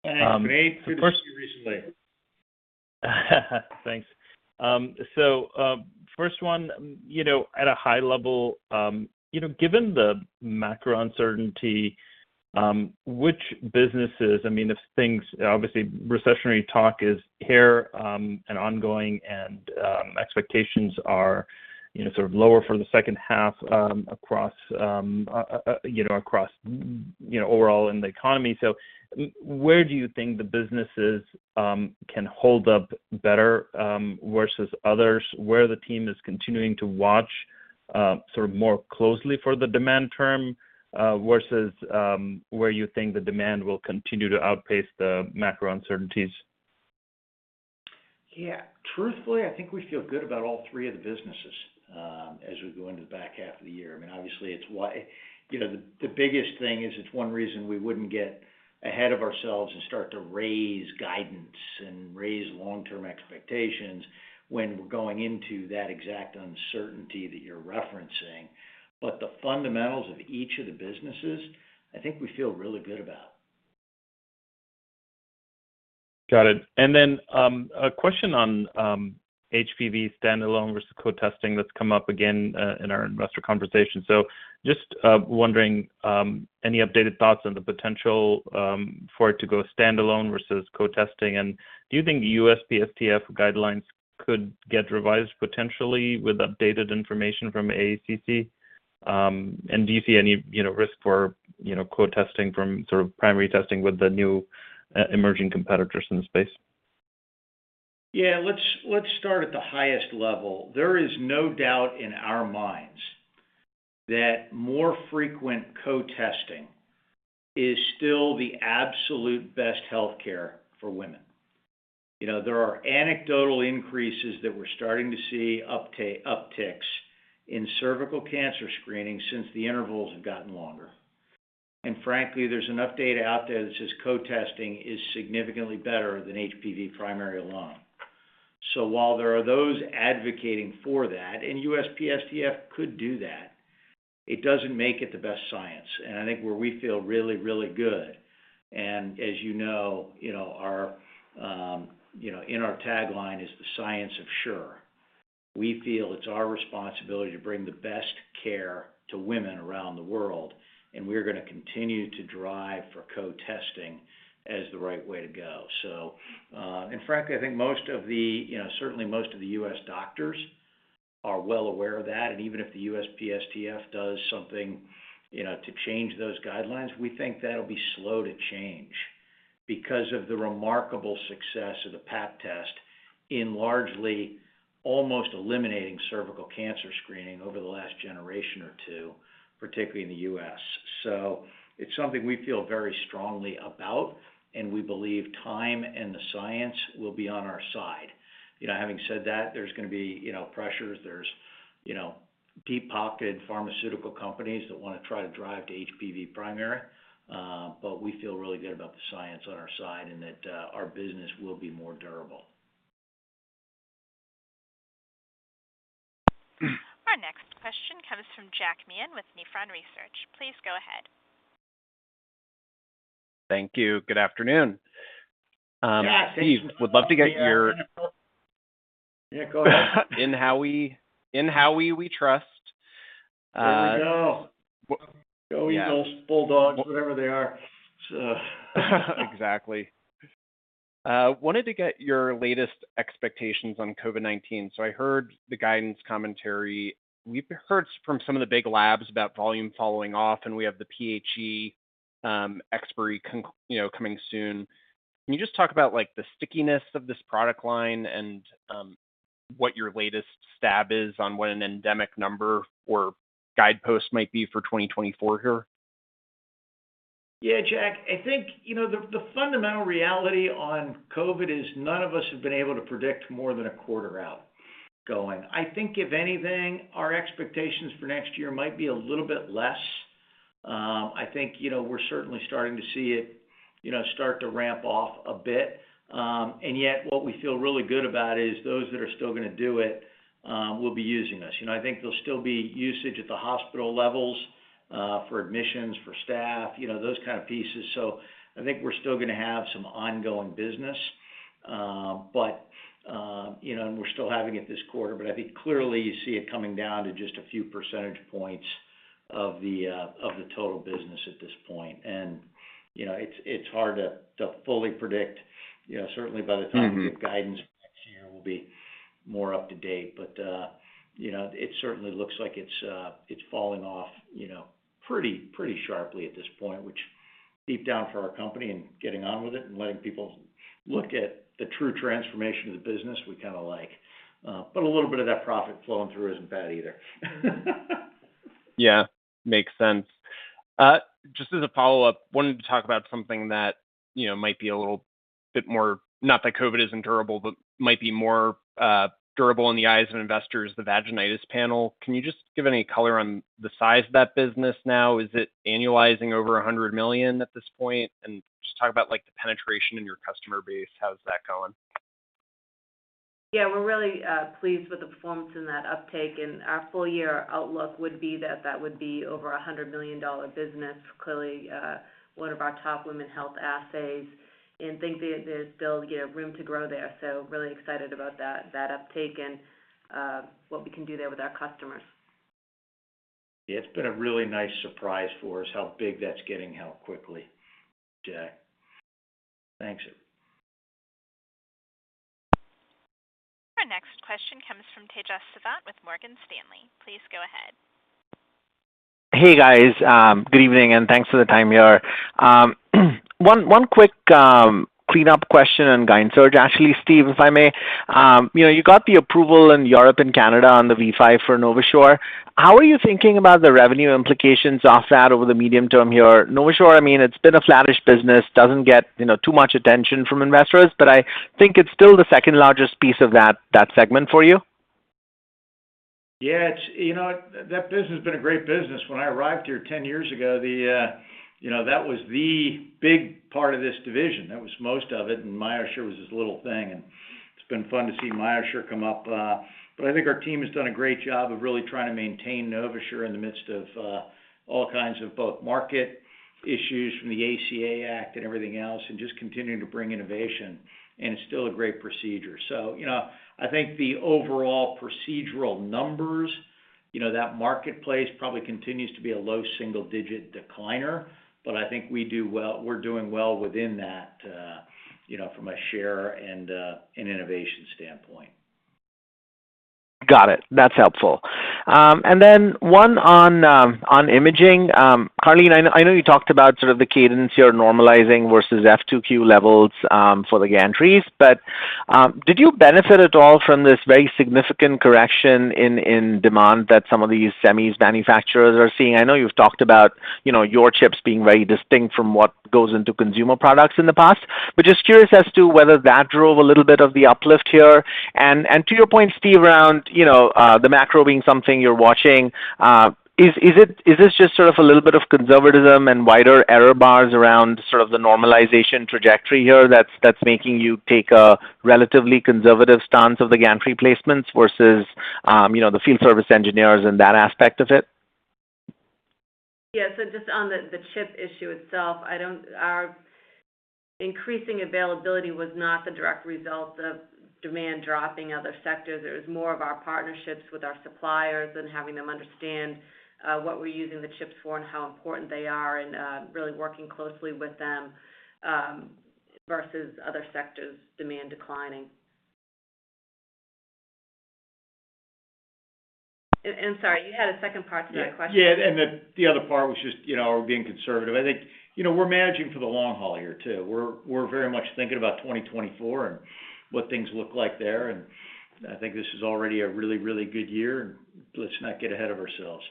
Great to see you recently. Thanks. First one, you know, at a high level, you know, given the macro uncertainty, which businesses, I mean, obviously, recessionary talk is here and ongoing and expectations are, you know, sort of lower for the second half, across, you know, overall in the economy. Where do you think the businesses can hold up better versus others? Where the team is continuing to watch sort of more closely for the demand term versus where you think the demand will continue to outpace the macro uncertainties? Yeah. Truthfully, I think we feel good about all three of the businesses as we go into the back half of the year. I mean, obviously, you know, the biggest thing is it's one reason we wouldn't get ahead of ourselves and start to raise guidance and raise long-term expectations when we're going into that exact uncertainty that you're referencing. The fundamentals of each of the businesses, I think we feel really good about. Got it. Then, a question on HPV standalone versus co-testing that's come up again, in our investor conversation. Just wondering any updated thoughts on the potential for it to go standalone versus co-testing. Do you think the USPSTF guidelines could get revised potentially with updated information from AACC? Do you see any, you know, risk for, you know, co-testing from sort of primary testing with the new emerging competitors in the space? Let's start at the highest level. There is no doubt in our minds that more frequent co-testing is still the absolute best healthcare for women. You know, there are anecdotal increases that we're starting to see upticks in cervical cancer screening since the intervals have gotten longer. Frankly, there's enough data out there that says co-testing is significantly better than HPV primary alone. While there are those advocating for that, USPSTF could do that, it doesn't make it the best science. I think where we feel really good, and as you know, our, in our tagline is the science of sure. We feel it's our responsibility to bring the best care to women around the world, we're gonna continue to drive for co-testing as the right way to go. Frankly, I think most of the, you know, certainly most of the U.S. doctors are well aware of that. Even if the USPSTF does something, you know, to change those guidelines, we think that'll be slow to change because of the remarkable success of the Pap test in largely almost eliminating cervical cancer screening over the last generation or two, particularly in the U.S. It's something we feel very strongly about, and we believe time and the science will be on our side. You know, having said that, there's gonna be, you know, pressures, there's, you know, deep-pocketed pharmaceutical companies that wanna try to drive to HPV primary. We feel really good about the science on our side and that our business will be more durable. Our next question comes from Jack Meehan with Nephron Research. Please go ahead. Thank you. Good afternoon. Yeah. Steve, would love to get. Yeah, go ahead. In how we trust. There we go. Yea Go Eagles, Bulldogs, whatever they are.... Exactly. wanted to get your latest expectations on COVID-19. I heard the guidance commentary. We've heard from some of the big labs about volume falling off, and we have the PHE expiry, you know, coming soon. Can you just talk about, like, the stickiness of this product line and what your latest stab is on what an endemic number or guidepost might be for 2024 here? Yeah, Jack. I think, you know, the fundamental reality on COVID is none of us have been able to predict more than a quarter out going. I think if anything, our expectations for next year might be a little bit less. I think, you know, we're certainly starting to see it, you know, start to ramp off a bit. Yet what we feel really good about is those that are still gonna do it, will be using us. You know, I think there'll still be usage at the hospital levels, for admissions, for staff, you know, those kind of pieces. I think we're still gonna have some ongoing business. You know, and we're still having it this quarter, but I think clearly you see it coming down to just a few percentage points of the total business at this point. You know, it's hard to fully predict. You know, certainly by the time. Mm-hmm we give guidance next year, we'll be more up to date. You know, it certainly looks like it's falling off, you know, pretty sharply at this point, which deep down for our company and getting on with it and letting people look at the true transformation of the business we kinda like. A little bit of that profit flowing through isn't bad either. Yeah. Makes sense. Just as a follow-up, wanted to talk about something that, you know, might be a little bit more... not that COVID isn't durable, but might be more durable in the eyes of investors, the vaginitis panel. Can you just give any color on the size of that business now? Is it annualizing over $100 million at this point? And just talk about, like, the penetration in your customer base. How's that going? Yeah, we're really pleased with the performance in that uptake. Our full year outlook would be that would be over a $100 million business. Clearly, one of our top women's health assays, and think that there's still, you know, room to grow there. Really excited about that uptake and what we can do there with our customers. It's been a really nice surprise for us how big that's getting, how quickly, Jack. Thanks. Our next question comes from Tejas Savant with Morgan Stanley. Please go ahead. Hey, guys. Good evening, and thanks for the time here. One quick cleanup question on guidance. Actually, Steve, if I may, you know, you got the approval in Europe and Canada on the V5 for NovaSure. How are you thinking about the revenue implications of that over the medium term here? NovaSure, I mean, it's been a flattish business, doesn't get, you know, too much attention from investors, but I think it's still the second largest piece of that segment for you. Yeah. It's, you know, that business has been a great business. When I arrived here 10 years ago, the, you know, that was the big part of this division. That was most of it, and MyoSure was this little thing, and it's been fun to see MyoSure come up. I think our team has done a great job of really trying to maintain NovaSure in the midst of all kinds of both market issues from the ACA Act and everything else, and just continuing to bring innovation. It's still a great procedure. You know, I think the overall procedural numbers, you know, that marketplace probably continues to be a low single-digit decliner, but I think we're doing well within that, you know, from a share and an innovation standpoint. Got it. That's helpful. One on imaging. Karleen, I know you talked about sort of the cadence you're normalizing versus F2Q levels for the gantries. Did you benefit at all from this very significant correction in demand that some of these semis manufacturers are seeing? I know you've talked about, you know, your chips being very distinct from what goes into consumer products in the past. Just curious as to whether that drove a little bit of the uplift here. To your point, Steve, around, you know, the macro being something you're watching, is this just sort of a little bit of conservatism and wider error bars around sort of the normalization trajectory here that's making you take a relatively conservative stance of the gantry placements versus, you know, the field service engineers and that aspect of it? Just on the chip issue itself, Our increasing availability was not the direct result of demand dropping other sectors. It was more of our partnerships with our suppliers and having them understand what we're using the chips for and how important they are and really working closely with them versus other sectors' demand declining. Sorry, you had a second part to that question. Yeah, yeah, and the other part was just, you know, we're being conservative. I think, you know, we're managing for the long haul here too. We're very much thinking about 2024 and what things look like there. I think this is already a really good year, and let's not get ahead of ourselves.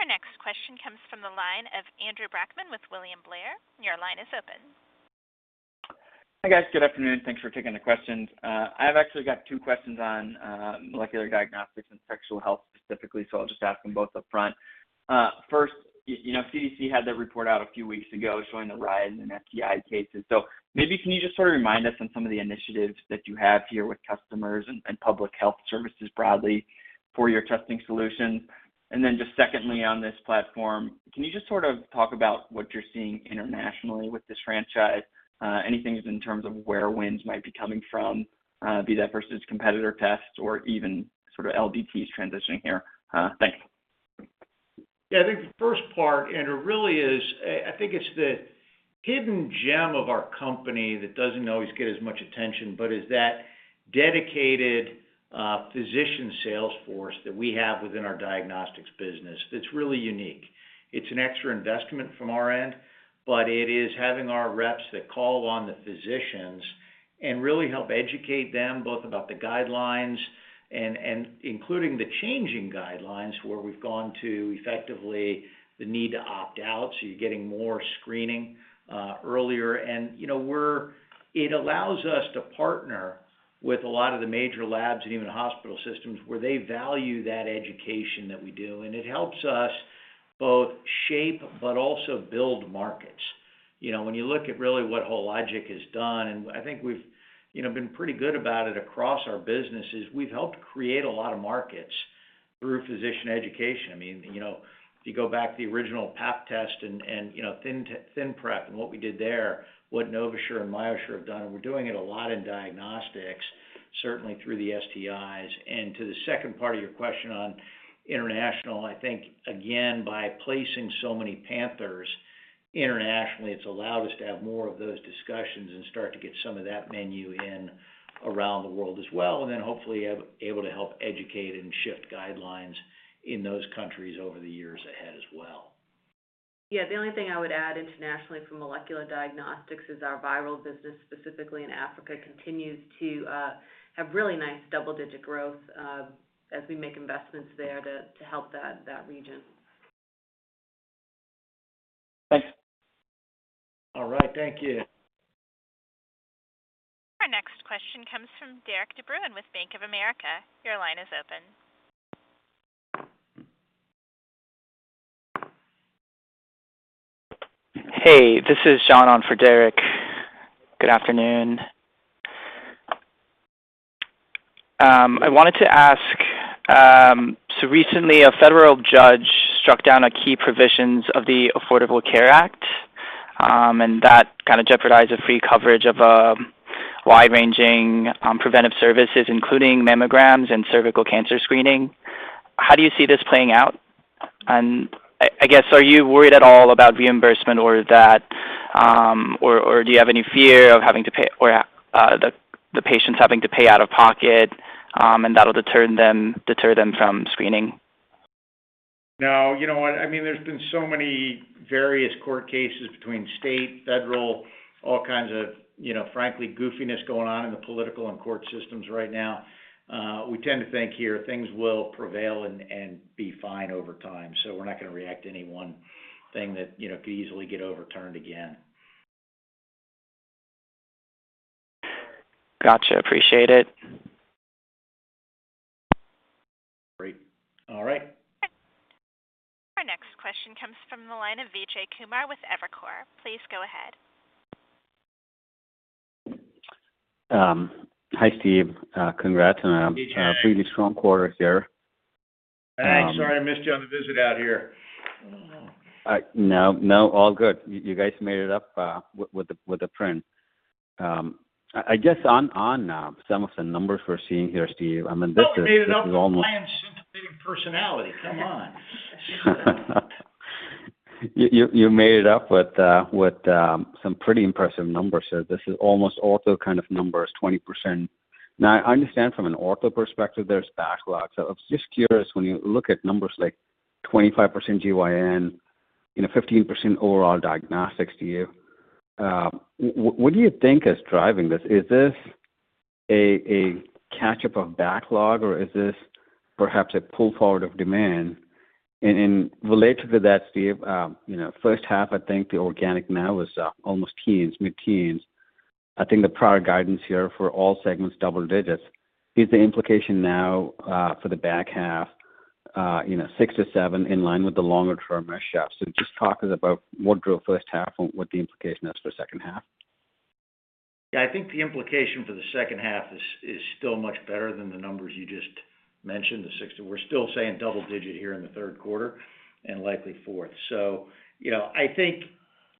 Our next question comes from the line of Andrew Brackmann with William Blair. Your line is open. Hi, guys. Good afternoon. Thanks for taking the questions. I've actually got two questions on molecular diagnostics and sexual health specifically, I'll just ask them both upfront. First, you know, CDC had that report out a few weeks ago showing the rise in STI cases. Maybe can you just sort of remind us on some of the initiatives that you have here with customers and public health services broadly for your testing solutions? Just secondly, on this platform, can you just sort of talk about what you're seeing internationally with this franchise, anything in terms of where wins might be coming from, be that versus competitor tests or even sort of LDTs transitioning here? Thank you. Yeah, I think the first part, and it really is, I think it's the hidden gem of our company that doesn't always get as much attention but is that dedicated physician sales force that we have within our diagnostics business. It's really unique. It's an extra investment from our end, but it is having our reps that call on the physicians and really help educate them both about the guidelines and including the changing guidelines where we've gone to effectively the need to opt out, so you're getting more screening, earlier. You know, it allows us to partner with a lot of the major labs and even hospital systems where they value that education that we do, and it helps us both shape but also build markets. You know, when you look at really what Hologic has done, and I think we've, you know, been pretty good about it across our businesses, we've helped create a lot of markets through physician education. I mean, you know, if you go back to the original Pap test and, you know, ThinPrep and what we did there, what NovaSure and MyoSure have done, and we're doing it a lot in diagnostics, certainly through the STIs. To the second part of your question on international, I think, again, by placing so many Panthers internationally, it's allowed us to have more of those discussions and start to get some of that menu in around the world as well, and then hopefully able to help educate and shift guidelines in those countries over the years ahead as well. Yeah. The only thing I would add internationally for molecular diagnostics is our viral business, specifically in Africa, continues to have really nice double-digit growth, as we make investments there to help that region. Thanks. All right. Thank you. Our next question comes from Derik De Bruin with Bank of America. Your line is open. Hey, this is John on for Derik. Good afternoon. I wanted to ask, recently a federal judge struck down a key provisions of the Affordable Care Act, and that kind of jeopardized the free coverage of wide-ranging preventive services, including mammograms and cervical cancer screening. How do you see this playing out? I guess, are you worried at all about reimbursement or that, or do you have any fear of having to pay or the patients having to pay out of pocket, and that'll deter them from screening? No. You know what? I mean, there's been so many various court cases between state, federal, all kinds of, you know, frankly, goofiness going on in the political and court systems right now. We tend to think here things will prevail and be fine over time. We're not gonna react to any one thing that, you know, could easily get overturned again. Gotcha. Appreciate it. Great. All right. Our next question comes from the line of Vijay Kumar with Evercore. Please go ahead. Hi, Steve. Congrats on. Hey, Jay. a pretty strong quarter here. Hey. Sorry, I missed you on the visit out here. No, no. All good. You guys made it up with the print. I guess on some of the numbers we're seeing here, Steve, I mean, this is. No, we made it up with my intimidating personality. Come on. You made it up with some pretty impressive numbers. This is almost also kind of numbers, 20%. Now, I understand from an ortho perspective there's backlogs. I was just curious, when you look at numbers like 25% GYN, you know, 15% overall diagnostics to you, what do you think is driving this? Is this a catch-up of backlog, or is this perhaps a pull forward of demand? Related to that, Steve, you know, first half, I think the organic now is almost teens, mid-teens. I think the prior guidance here for all segments double digits. Is the implication now for the back half, you know, 6%-7% in line with the longer term shifts? Just talk to us about what drove first half and what the implication is for second half. Yeah, I think the implication for the second half is still much better than the numbers you just mentioned, the 60. We're still saying double-digit here in the third quarter and likely fourth. You know, I think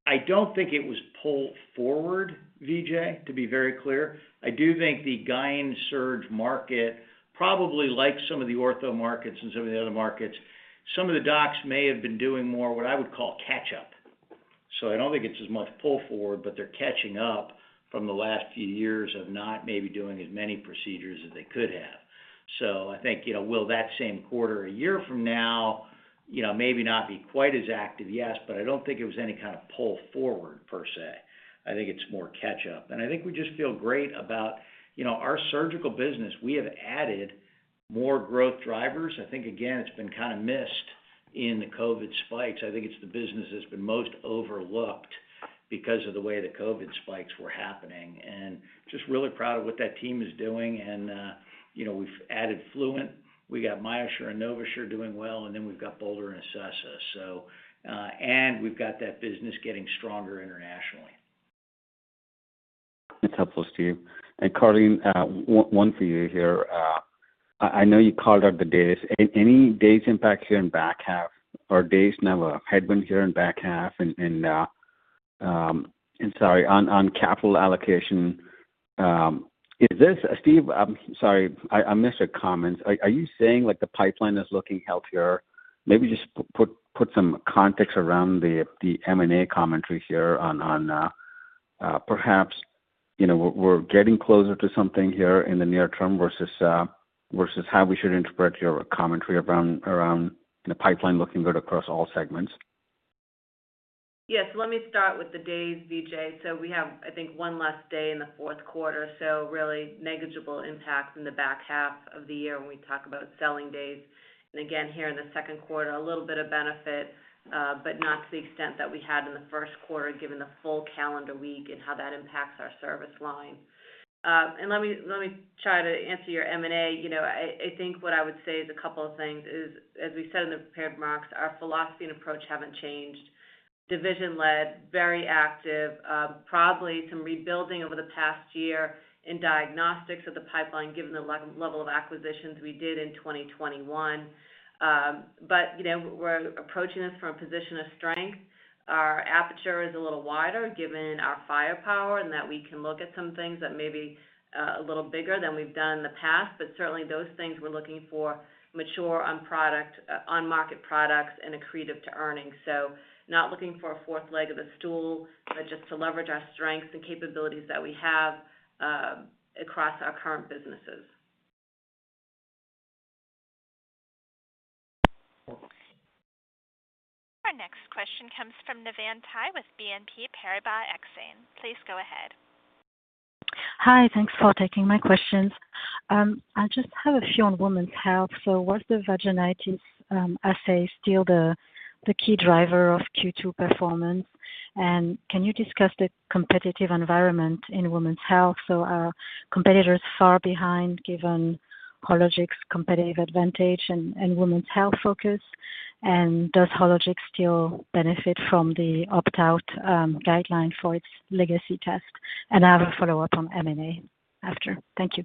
I don't think it was pulled forward, Vijay, to be very clear. I do think the GYN Surge market, probably like some of the ortho markets and some of the other markets, some of the docs may have been doing more what I would call catch-up. I don't think it's as much pull forward, but they're catching up from the last few years of not maybe doing as many procedures as they could have. You know, I think, will that same quarter a year from now, you know, maybe not be quite as active, yes, but I don't think it was any kind of pull forward per se. I think it's more catch up. I think we just feel great about, you know, our surgical business. We have added more growth drivers. I think, again, it's been kinda missed in the COVID spikes. I think it's the business that's been most overlooked because of the way the COVID spikes were happening. Just really proud of what that team is doing and, you know, we've added Fluent. We got MyoSure and NovaSure doing well, and then we've got Bolder and Acessa. We've got that business getting stronger internationally. That's helpful, Steve. Karleen, one for you here. I know you called out the days. Any days impact here in back half or days number headwind here in back half? Sorry, on capital allocation, is this Steve, I'm sorry, I missed your comments. Are you saying, like, the pipeline is looking healthier? Maybe just put some context around the M&A commentary here on perhaps, you know, we're getting closer to something here in the near term versus how we should interpret your commentary around the pipeline looking good across all segments. Yes. Let me start with the days, Vijay. We have, I think, one less day in the fourth quarter, so really negligible impact in the back half of the year when we talk about selling days. Again, here in the second quarter, a little bit of benefit, but not to the extent that we had in the first quarter, given the full calendar week and how that impacts our service line. Let me try to answer your M&A. You know, I think what I would say is a couple of things is, as we said in the prepared remarks, our philosophy and approach haven't changed. Division-led, very active, probably some rebuilding over the past year in diagnostics of the pipeline, given the level of acquisitions we did in 2021. You know, we're approaching this from a position of strength. Our aperture is a little wider given our firepower and that we can look at some things that may be a little bigger than we've done in the past. Certainly those things we're looking for mature on market products and accretive to earnings. Not looking for a fourth leg of a stool, but just to leverage our strengths and capabilities that we have across our current businesses. Thank you. Our next question comes from Navann Ty with BNP Paribas Exane. Please go ahead. Hi. Thanks for taking my questions. I just have a few on women's health. Was the vaginitis assay still the key driver of Q2 performance? Can you discuss the competitive environment in women's health? Are competitors far behind, given Hologic's competitive advantage and women's health focus? Does Hologic still benefit from the opt-out guideline for its legacy test? I have a follow-up on M&A after. Thank you.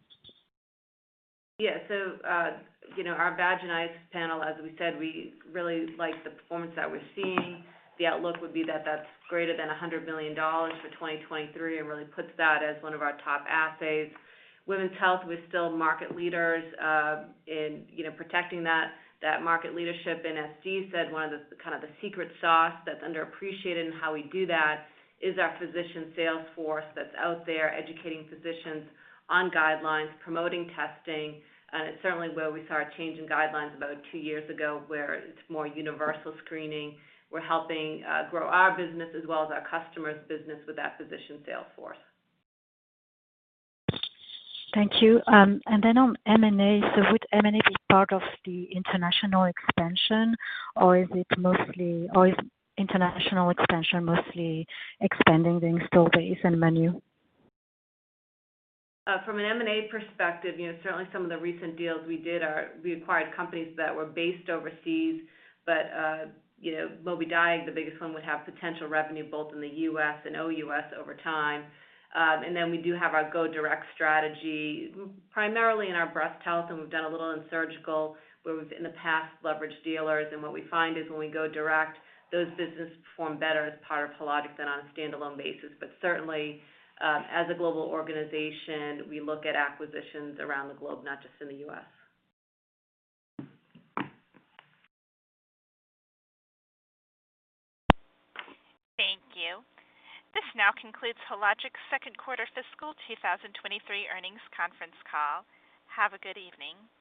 you know, our vaginitis panel, as we said, we really like the performance that we're seeing. The outlook would be that that's greater than $100 million for 2023 and really puts that as one of our top assays. Women's Health, we're still market leaders, in, you know, protecting that market leadership. As Steve said, one of the, kind of the secret sauce that's underappreciated in how we do that is our physician sales force that's out there educating physicians on guidelines, promoting testing. It's certainly where we saw a change in guidelines about 2 years ago, where it's more universal screening. We're helping, grow our business as well as our customers' business with that physician sales force. Thank you. On M&A. Would M&A be part of the international expansion? Or is international expansion mostly expanding the install base and menu? From an M&A perspective, you know, certainly some of the recent deals we did are we acquired companies that were based overseas, but, you know, Mobidiag, the biggest one, would have potential revenue both in the US and OUS over time. Then we do have our go direct strategy, primarily in our breast health, and we've done a little in surgical, where we've in the past leveraged dealers. What we find is when we go direct, those business perform better as part of Hologic than on a standalone basis. Certainly, as a global organization, we look at acquisitions around the globe, not just in the US. Thank you. This now concludes Hologic's second quarter fiscal 2023 earnings conference call. Have a good evening.